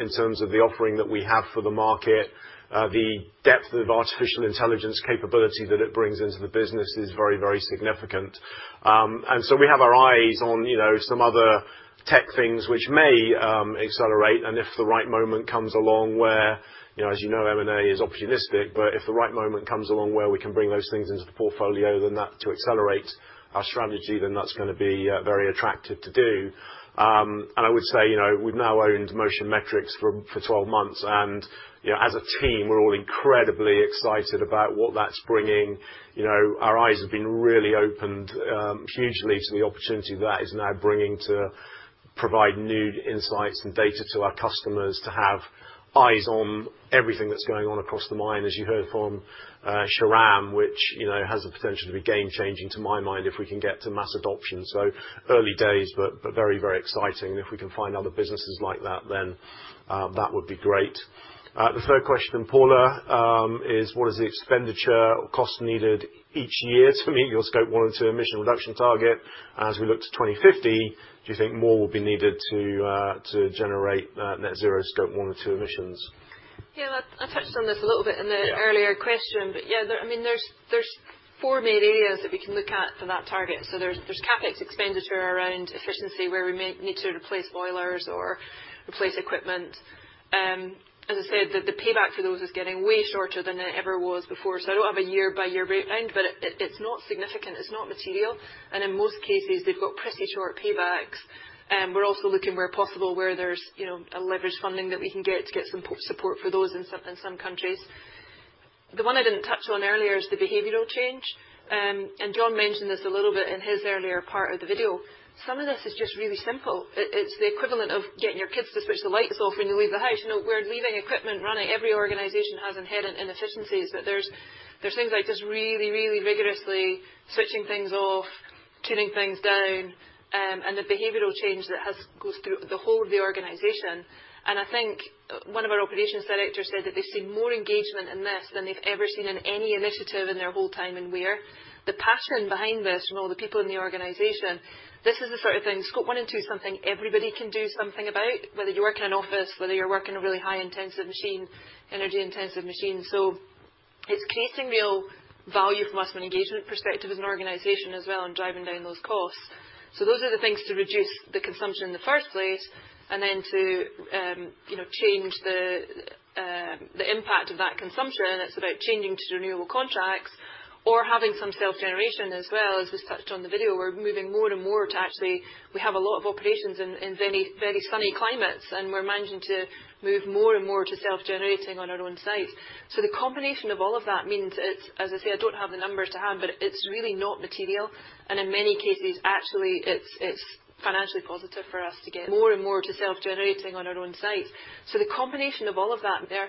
in terms of the offering that we have for the market. The depth of artificial intelligence capability that it brings into the business is very, very significant. We have our eyes on, you know, some other tech things which may accelerate, and if the right moment comes along where, you know. As you know, M&A is opportunistic, but if the right moment comes along where we can bring those things into the portfolio to accelerate our strategy, then that's gonna be very attractive to do. I would say, you know, we've now owned Motion Metrics for 12 months, and, you know, as a team, we're all incredibly excited about what that's bringing. You know, our eyes have been really opened, hugely to the opportunity that is now bringing to provide new insights and data to our customers to have eyes on everything that's going on across the mine, as you heard from, Shahram, which, you know, has the potential to be game changing to my mind if we can get to mass adoption. Early days, but very, very exciting. If we can find other businesses like that, then that would be great. The third question, Paula, is what is the expenditure or cost needed each year to meet your Scope 1 and 2 emission reduction target? As we look to 2050, do you think more will be needed to generate net zero Scope 1 and 2 emissions? Yeah. I touched on this a little bit earlier question. Yeah, there, I mean, there's four main areas that we can look at for that target. There's, there's CapEx expenditure around efficiency where we may need to replace boilers or replace equipment. As I said, the payback for those is getting way shorter than it ever was before. I don't have a year-by-year breakdown, but it, it's not significant, it's not material. In most cases, they've got pretty short paybacks. We're also looking where possible, where there's, you know, a leverage funding that we can get to get some support for those in some, in some countries. The one I didn't touch on earlier is the behavioral change. John mentioned this a little bit in his earlier part of the video. Some of this is just really simple. It's the equivalent of getting your kids to switch the lights off when you leave the house. You know, we're leaving equipment running. Every organization has inherent inefficiencies, but there's things like just really, really rigorously switching things off, turning things down, and the behavioral change that goes through the whole of the organization. I think one of our operations directors said that they've seen more engagement in this than they've ever seen in any initiative in their whole time in Weir. The passion behind this from all the people in the organization, this is the sort of thing, Scope 1 and 2 is something everybody can do something about, whether you work in an office, whether you work in a really high intensive machine, energy intensive machine. It's creating real value from us from an engagement perspective as an organization as well and driving down those costs. Those are the things to reduce the consumption in the first place and then to, you know, change the impact of that consumption. It's about changing to renewable contracts or having some self-generation as well. As was touched on the video, we're moving more and more to actually, we have a lot of operations in very, very sunny climates, and we're managing to move more and more to self-generating on our own sites. The combination of all of that means it's, as I say, I don't have the numbers to hand, but it's really not material. In many cases, actually, it's financially positive for us to get more and more to self-generating on our own sites. The combination of all of that there,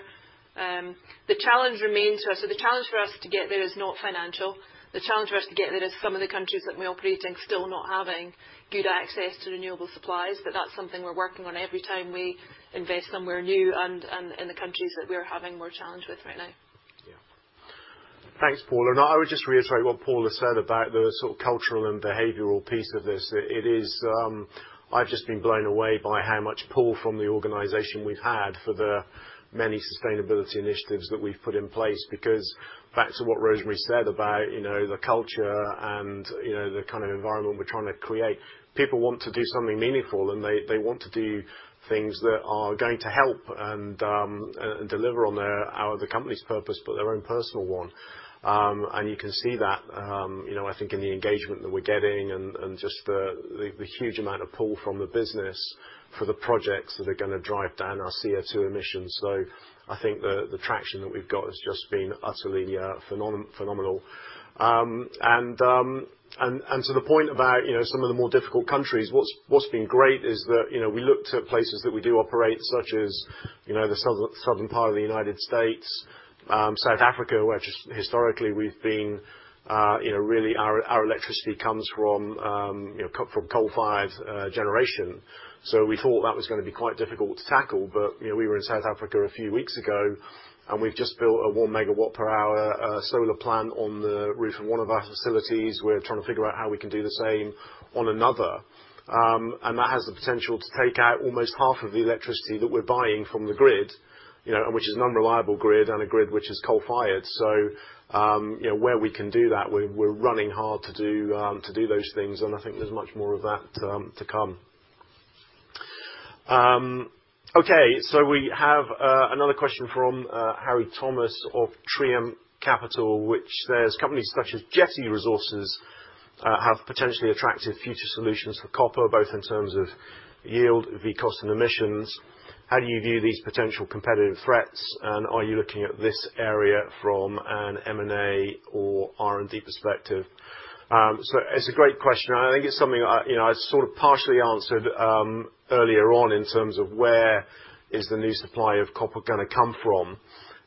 the challenge remains for us. The challenge for us to get there is not financial. The challenge for us to get there is some of the countries that we operate in still not having good access to renewable supplies. That's something we're working on every time we invest somewhere new and in the countries that we're having more challenge with right now. Thanks, Paula. I would just reiterate what Paula said about the sort of cultural and behavioral piece of this. It is, I've just been blown away by how much pull from the organization we've had for the many sustainability initiatives that we've put in place. Back to what Rosemary McGinness said about, you know, the culture and, you know, the kind of environment we're trying to create, people want to do something meaningful, and they want to do things that are going to help and deliver on their, our, the company's purpose, but their own personal one. You can see that, you know, I think in the engagement that we're getting and just the huge amount of pull from the business for the projects that are gonna drive down our CO₂ emissions. I think the traction that we've got has just been utterly phenomenal. And to the point about, you know, some of the more difficult countries, what's been great is that, you know, we looked at places that we do operate such as, you know, the southern part of the United States, South Africa, where just historically we've been, you know, really our electricity comes from, you know, coal-fired generation. We thought that was gonna be quite difficult to tackle. You know, we were in South Africa a few weeks ago, and we've just built a 1 megawatt per hour solar plant on the roof of one of our facilities. We're trying to figure out how we can do the same on another. That has the potential to take out almost half of the electricity that we're buying from the grid, you know, and which is an unreliable grid and a grid which is coal-fired. You know, where we can do that, we're running hard to do those things, and I think there's much more of that to come. Okay, we have another question from Harry Thomas of Trium Capital, which says companies such as Jetti Resources have potentially attractive future solutions for copper, both in terms of yield, the cost, and emissions. How do you view these potential competitive threats, and are you looking at this area from an M&A or R&D perspective? It's a great question, and I think it's something I, you know, I sort of partially answered earlier on in terms of where is the new supply of copper gonna come from.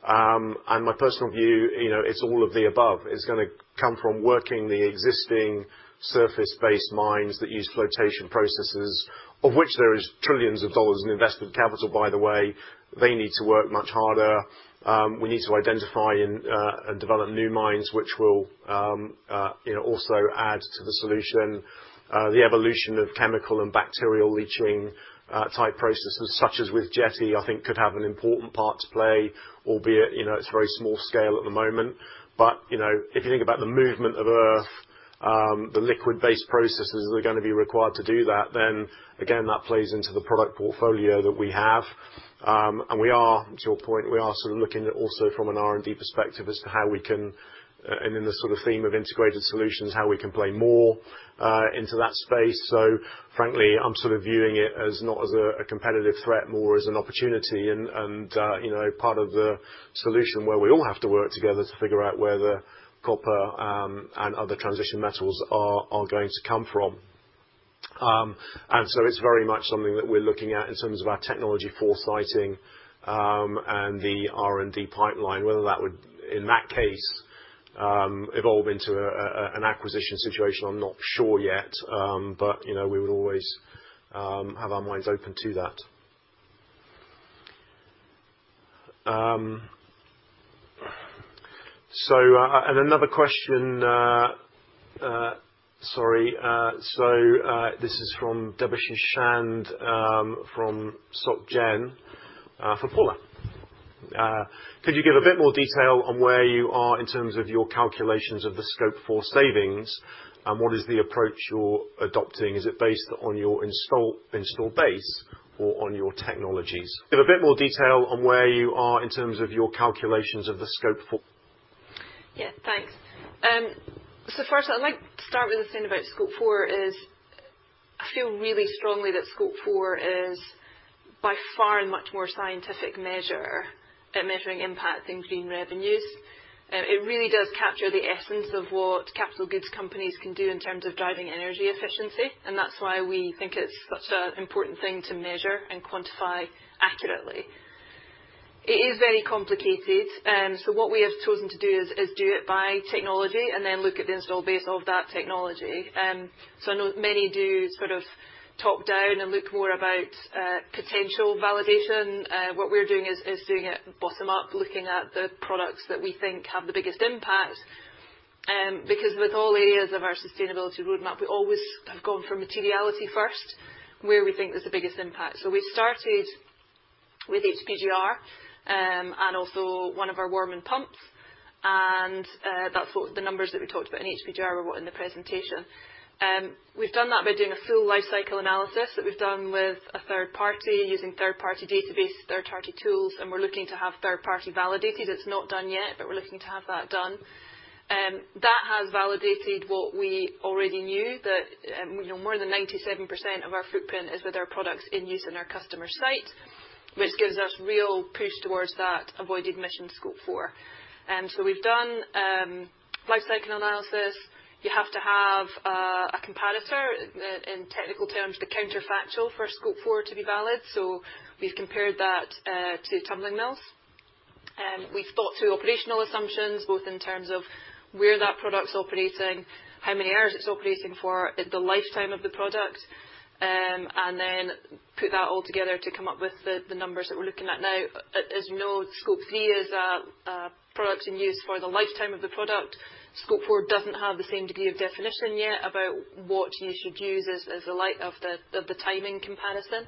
My personal view, you know, it's all of the above. It's gonna come from working the existing surface-based mines that use Flotation processes, of which there is trillions of dollars in investment capital, by the way. They need to work much harder. We need to identify and develop new mines, which will, you know, also add to the solution. The evolution of Chemical and Bacterial leaching type processes, such as with Jetti, I think could have an important part to play, albeit, you know, it's very small scale at the moment. You know, if you think about the movement of earth, the liquid-based processes that are gonna be required to do that, then again, that plays into the product portfolio that we have. We are, to your point, we are sort of looking at also from an R&D perspective as to how we can, and in the sort of theme of integrated solutions, how we can play more into that space. Frankly, I'm sort of viewing it as not as a competitive threat, more as an opportunity and, you know, part of the solution where we all have to work together to figure out where the copper and other transition metals are going to come from. It's very much something that we're looking at in terms of our technology foresighting, and the R&D pipeline, whether that would, in that case, evolve into an acquisition situation, I'm not sure yet. You know, we would always have our minds open to that. Another question, sorry. This is from Debashish Chand, from Soc Gén, for Paula. Could you give a bit more detail on where you are in terms of your calculations of the Scope 4 savings, and what is the approach you're adopting? Is it based on your install base or on your technologies? Give a bit more detail on where you are in terms of your calculations of the Scope 4- Yeah, thanks. First I'd like to start with the thing about Scope 4 is I feel really strongly that Scope 4 is by far a much more scientific measure at measuring impact than green revenues. It really does capture the essence of what capital goods companies can do in terms of driving energy efficiency, and that's why we think it's such a important thing to measure and quantify accurately. It is very complicated, so what we have chosen to do is do it by technology and then look at the install base of that technology. I know many do sort of top-down and look more about potential validation. What we're doing is doing it bottom-up, looking at the products that we think have the biggest impact. Because with all areas of our sustainability roadmap, we always have gone for materiality first, where we think there's the biggest impact. We started with HPGR and also one of our Warman pumps. That's what the numbers that we talked about in HPGR were what in the presentation. We've done that by doing a full Life Cycle Analysis that we've done with a third party using third-party database, third-party tools, and we're looking to have third-party validated. It's not done yet, but we're looking to have that done. That has validated what we already knew, that, you know, more than 97% of our footprint is with our products in use in our customer site, which gives us real push towards that avoided mission Scope 4. We've done Life Cycle Analysis. You have to have a competitor in technical terms, the counterfactual for Scope 4 to be valid. We've compared that to tumbling mills. We've thought through operational assumptions, both in terms of where that product's operating, how many hours it's operating for the lifetime of the product, and then put that all together to come up with the numbers that we're looking at now. As you know, Scope 3 is a product in use for the lifetime of the product. Scope 4 doesn't have the same degree of definition yet about what you should use as the light of the, of the timing comparison.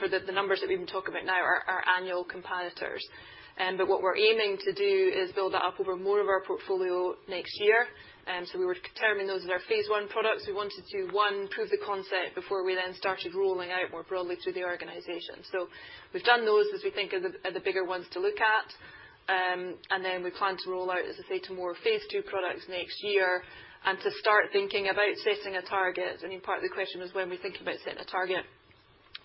For the numbers that we've been talking about now are annual comparators. What we're aiming to do is build that up over more of our portfolio next year. We were determining those as our phase 1 products. We wanted to, one, prove the concept before we then started rolling out more broadly through the organization. We've done those as we think are the, are the bigger ones to look at. We plan to roll out, as I say, to more phase 2 products next year and to start thinking about setting a target. I mean, part of the question was when we think about setting a target,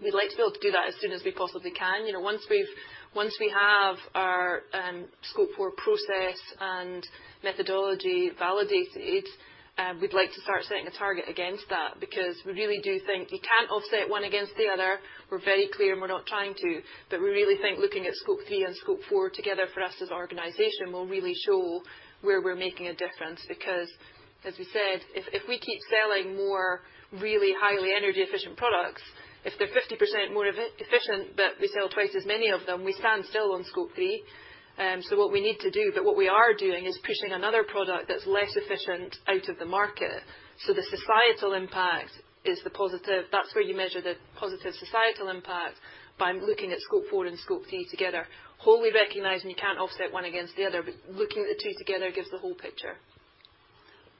we'd like to be able to do that as soon as we possibly can. You know, once we have our Scope 4 process and methodology validated, we'd like to start setting a target against that because we really do think you can't offset one against the other. We're very clear, and we're not trying to. We really think looking at Scope 3 and Scope 4 together for us as an organization will really show where we're making a difference. As we said, if we keep selling more really highly energy efficient products, if they're 50% more efficient, but we sell twice as many of them, we stand still on Scope 3. What we need to do, but what we are doing is pushing another product that's less efficient out of the market. The societal impact is the positive. That's where you measure the positive societal impact by looking at Scope 4 and Scope 3 together. Wholly recognizing you can't offset one against the other, looking at the two together gives the whole picture.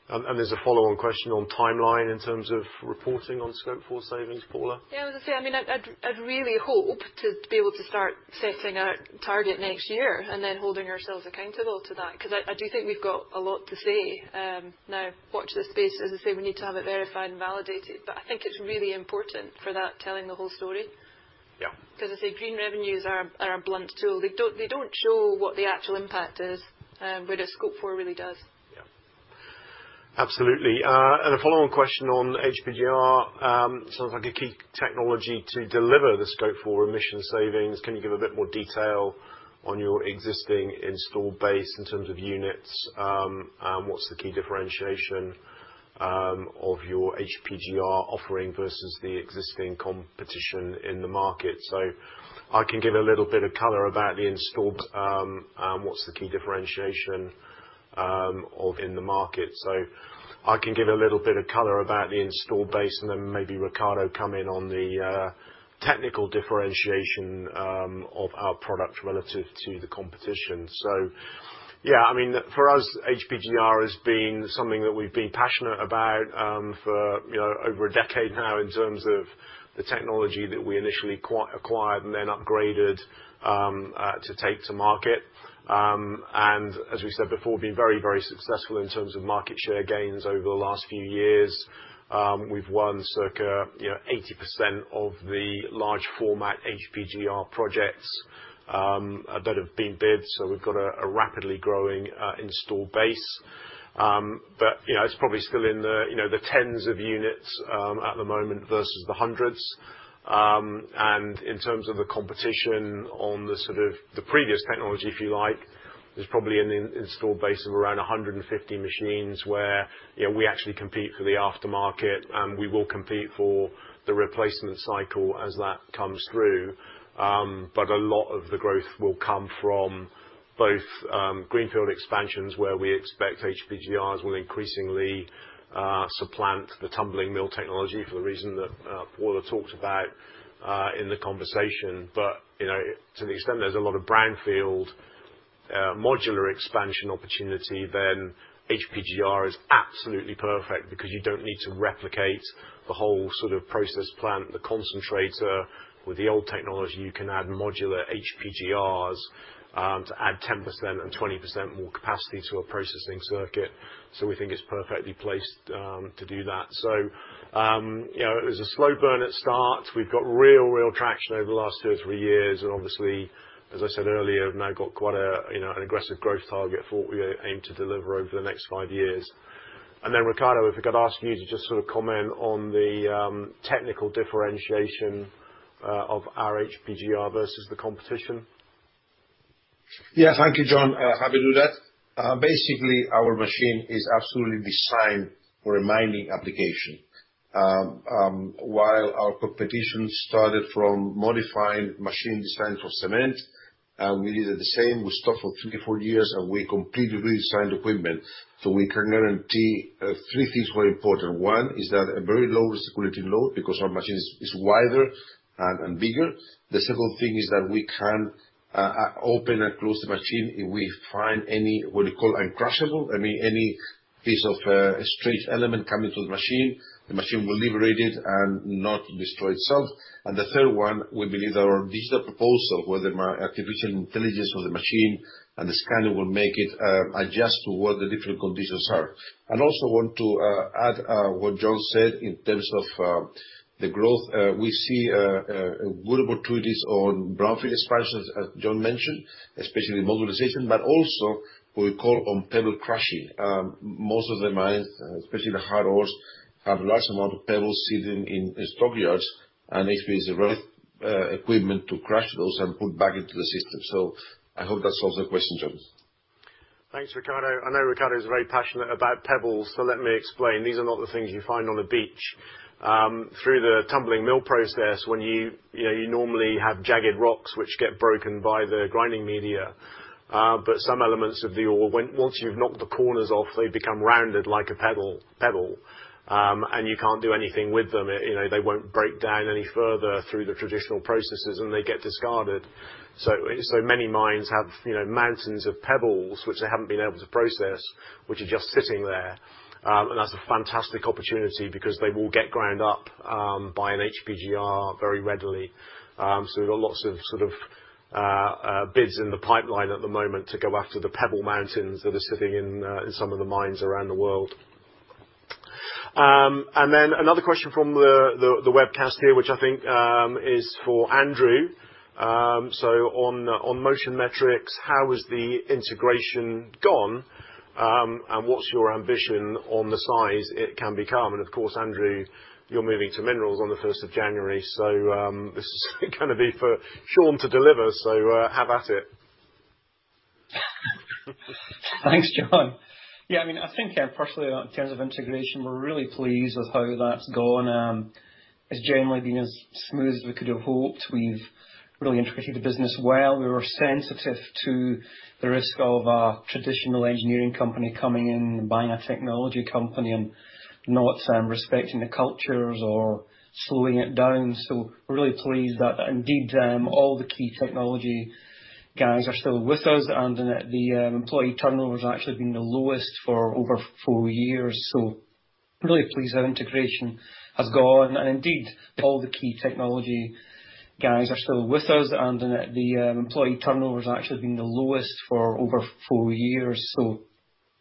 There's a follow-on question on timeline in terms of reporting on Scope 4 savings. Paula? Yeah, as I say, I mean, I'd really hope to be able to start setting a target next year and then holding ourselves accountable to that, 'cause I do think we've got a lot to say, now watch this space. We need to have it verified and validated, but I think it's really important for that telling the whole story. Yeah. I say green revenues are a blunt tool. They don't show what the actual impact is, where the Scope 4 really does. Yeah. Absolutely. A follow-on question on HPGR. Sounds like a key technology to deliver the Scope 4 emission savings. Can you give a bit more detail on your existing install base in terms of units? What's the key differentiation of your HPGR offering versus the existing competition in the market? I can give a little bit of color about the install base, and then maybe Ricardo come in on the technical differentiation of our product relative to the competition. Yeah, I mean, for us, HPGR has been something that we've been passionate about, for, you know, over a decade now in terms of the technology that we initially acquired and then upgraded to take to market. As we said before, been very, very successful in terms of market share gains over the last few years. We've won circa, you know, 80% of the large format HPGR projects that have been bid, so we've got a rapidly growing install base. You know, it's probably still in the, you know, the tens of units at the moment versus the hundreds. In terms of the competition on the sort of the previous technology, if you like, there's probably an in-installed base of around 150 machines where, you know, we actually compete for the aftermarket, and we will compete for the replacement cycle as that comes through. A lot of the growth will come from both greenfield expansions, where we expect HPGRs will increasingly supplant the tumbling mill technology for the reason that Paula talked about in the conversation. You know, to the extent there's a lot of brownfield modular expansion opportunity, then HPGR is absolutely perfect because you don't need to replicate the whole sort of process plant, the concentrator, with the old technology, you can add modular HPGRs to add 10% and 20% more capacity to a processing circuit, so we think it's perfectly placed to do that. You know, it was a slow burn at start. We've got real traction over the last two or three years. Obviously, as I said earlier, I've now got quite a, you know, an aggressive growth target for what we aim to deliver over the next five years. Then, Ricardo, if I could ask you to just sort of comment on the technical differentiation of our HPGR versus the competition. Yeah. Thank you, Jon. happy to do that. Basically, our machine is absolutely designed for a mining application. While our competition started from modifying machine design for cement, we did it the same. We stopped for three to four years, and we completely redesigned the equipment. We can guarantee three things were important. One is that a very low security load because our machine is wider and bigger. The second thing is that we can open and close the machine if we find any, what you call uncrushable, any piece of strange element coming to the machine. The machine will liberate it and not destroy itself. The third one, we believe our digital proposal, whether artificial intelligence or the machine and the scanner will make it adjust to what the different conditions are. Also want to add what John said in terms of the growth. We see good opportunities on brownfield expansions, as John mentioned, especially modularization, but also we call on pebble crushing. Most of the mines, especially the hard ores, have large amount of pebbles sitting in stockyards, and if there's the right equipment to crush those and put back into the system. I hope that solves the question, John. Thanks, Ricardo. I know Ricardo is very passionate about pebbles, let me explain. These are not the things you find on a beach. Through the tumbling mill process, when you know, you normally have jagged rocks which get broken by the grinding media, but some elements of the ore, once you've knocked the corners off, they become rounded like a pebble, and you can't do anything with them. You know, they won't break down any further through the traditional processes, they get discarded. Many mines have, you know, mountains of pebbles which they haven't been able to process, which are just sitting there. That's a fantastic opportunity because they will get ground up by an HPGR very readily. We've got lots of bids in the pipeline at the moment to go after the pebble mountains that are sitting in some of the mines around the world. Another question from the webcast here, which I think is for Andrew. On Motion Metrics, how has the integration gone? What's your ambition on the size it can become? Of course, Andrew, you're moving to Weir Minerals on the 1st of January, this is gonna be for Sean to deliver, have at it. Thanks, Jon. I mean, I think, personally, in terms of integration, we're really pleased with how that's gone. It's generally been as smooth as we could have hoped. We've really integrated the business well. We were sensitive to the risk of a traditional engineering company coming in and buying a technology company and not respecting the cultures or slowing it down. We're really pleased that indeed, all the key technology guys are still with us, and the employee turnover has actually been the lowest for over four years.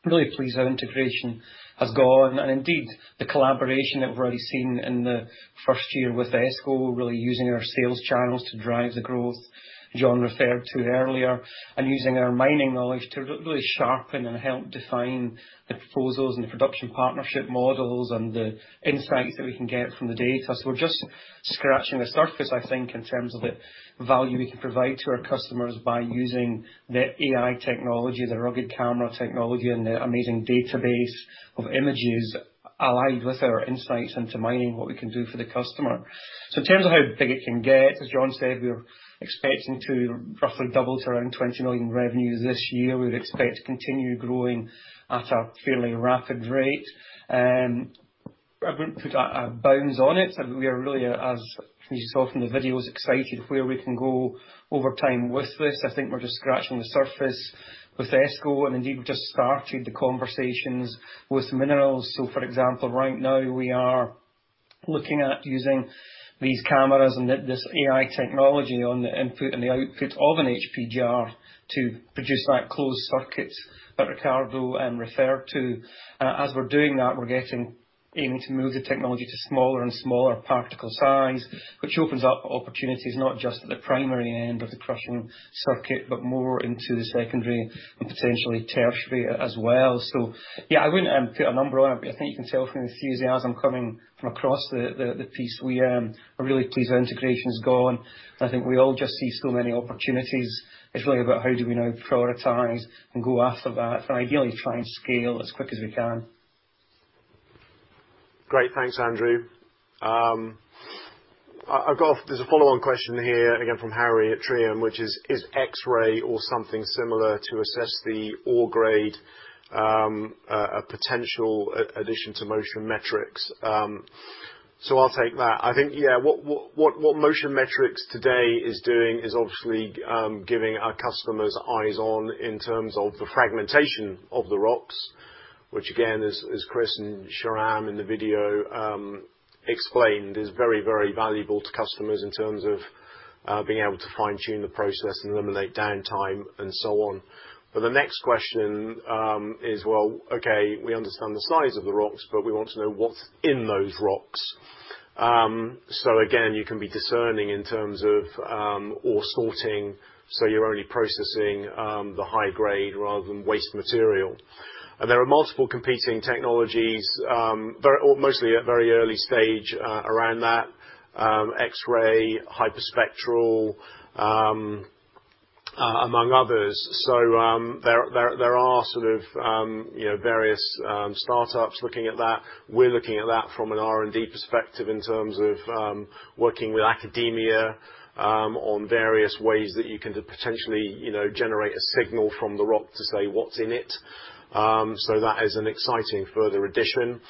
Really pleased how integration has gone. Indeed, all the key technology guys are still with us, and the employee turnover has actually been the lowest for over four years. Really pleased how integration has gone, and indeed, the collaboration that we've already seen in the first year with ESCO, really using our sales channels to drive the growth John referred to earlier, and using our mining knowledge to really sharpen and help define the proposals and the production partnership models and the insights that we can get from the data. We're just scratching the surface, I think, in terms of the value we can provide to our customers by using the AI technology, the rugged camera technology, and the amazing database of images allied with our insights into mining, what we can do for the customer. In terms of how big it can get, as Jon said, we're expecting to roughly double to around 20 million revenues this year. We would expect to continue growing at a fairly rapid rate. I wouldn't put bounds on it. We are really, as you saw from the videos, excited where we can go over time with this. I think we're just scratching the surface with ESCO, and indeed we've just started the conversations with minerals. For example, right now we are looking at using these cameras and this AI technology on the input and the output of an HPGR to produce that closed circuit that Ricardo referred to. As we're doing that, aiming to move the technology to smaller and smaller particle size, which opens up opportunities not just at the primary end of the crushing circuit, but more into the secondary and potentially tertiary as well. Yeah, I wouldn't put a number on it, but I think you can tell from the enthusiasm coming from across the piece, we are really pleased how the integration's gone. I think we all just see so many opportunities. It's really about how do we now prioritize and go after that and ideally try and scale as quick as we can. Great. Thanks, Andrew. There's a follow-on question here again from Harry at Trium, which is: Is X-ray or something similar to assess the ore grade a potential addition to Motion Metrics? I'll take that. I think, yeah, what Motion Metrics today is doing is obviously giving our customers eyes on in terms of the fragmentation of the rocks, which again is, as Chris and Shahram in the video, explained, is very, very valuable to customers in terms of being able to fine-tune the process and eliminate downtime and so on. The next question is, well, okay, we understand the size of the rocks, but we want to know what's in those rocks. So again, you can be discerning in terms of ore sorting, so you're only processing the high grade rather than waste material. There are multiple competing technologies, mostly at very early stage around that, X-ray, hyperspectral among others. There are sort of, you know, various startups looking at that. We're looking at that from an R&D perspective in terms of working with academia on various ways that you can potentially, you know, generate a signal from the rock to say what's in it. That is an exciting further addition.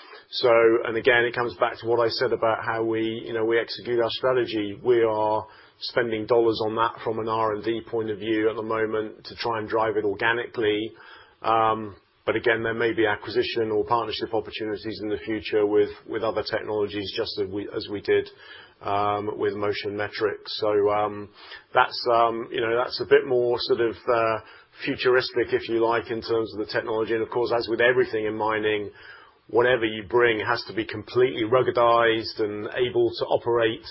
Again, it comes back to what I said about how we, you know, we execute our strategy. We are spending dollars on that from an R&D point of view at the moment to try and drive it organically. Again, there may be acquisition or partnership opportunities in the future with other technologies, just as we, as we did with Motion Metrics. That's, you know, that's a bit more sort of futuristic, if you like, in terms of the technology. Of course, as with everything in mining, whatever you bring has to be completely ruggedized and able to operate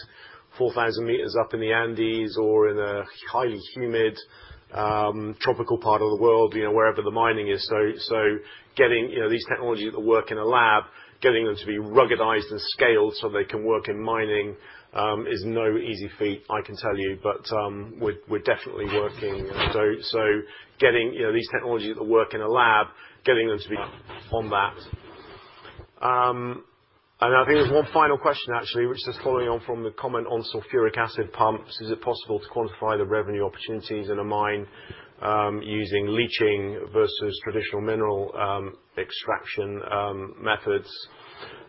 4,000 meters up in the Andes or in a highly humid, tropical part of the world, you know, wherever the mining is. Getting, you know, these technologies that work in a lab, getting them to be ruggedized and scaled so they can work in mining is no easy feat, I can tell you. We're definitely working. So getting, you know, these technologies that work in a lab, getting them to be on that. I think there's one final question actually, which is following on from the comment on sulfuric acid pumps. Is it possible to quantify the revenue opportunities in a mine, using leaching versus traditional mineral extraction methods?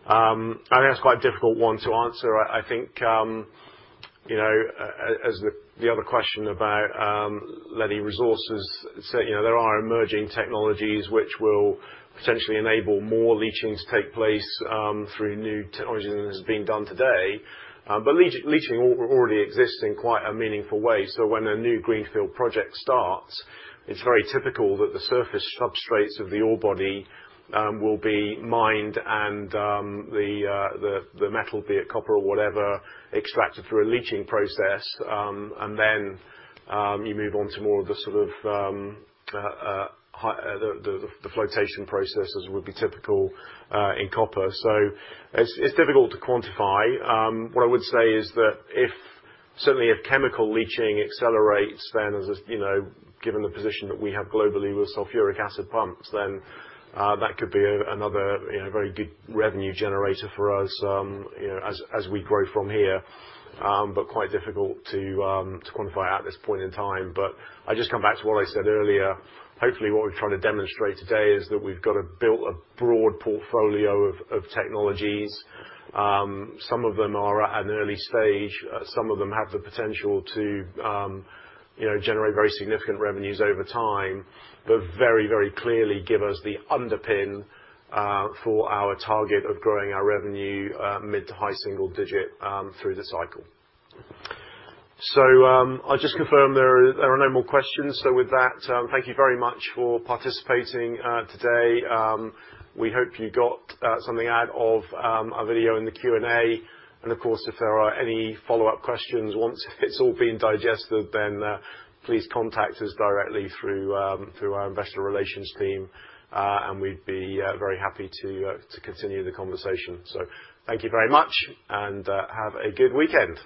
That's quite a difficult one to answer. I think, you know, as the other question about leading resources. You know, there are emerging technologies which will potentially enable more leaching to take place through new technology than is being done today. Leaching already exists in quite a meaningful way. When a new greenfield project starts, it's very typical that the surface substrates of the ore body will be mined and the metal, be it copper or whatever, extracted through a leaching process. You move on to more of the sort of the Flotation processes would be typical in copper. It's difficult to quantify. What I would say is that if certainly if chemical leaching accelerates, then, as you know, given the position that we have globally with sulfuric acid pumps, then that could be another, you know, very good revenue generator for us, you know, as we grow from here. Quite difficult to quantify at this point in time. I just come back to what I said earlier. Hopefully what we're trying to demonstrate today is that we've got a broad portfolio of technologies. Some of them are at an early stage. Some of them have the potential to, you know, generate very significant revenues over time, but very, very clearly give us the underpin for our target of growing our revenue mid to high single digit through the cycle. I'll just confirm there are no more questions. With that, thank you very much for participating today. We hope you got something out of our video in the Q&A. Of course, if there are any follow-up questions once it's all been digested, then, please contact us directly through our investor relations team, and we'd be very happy to continue the conversation. Thank you very much, and, have a good weekend.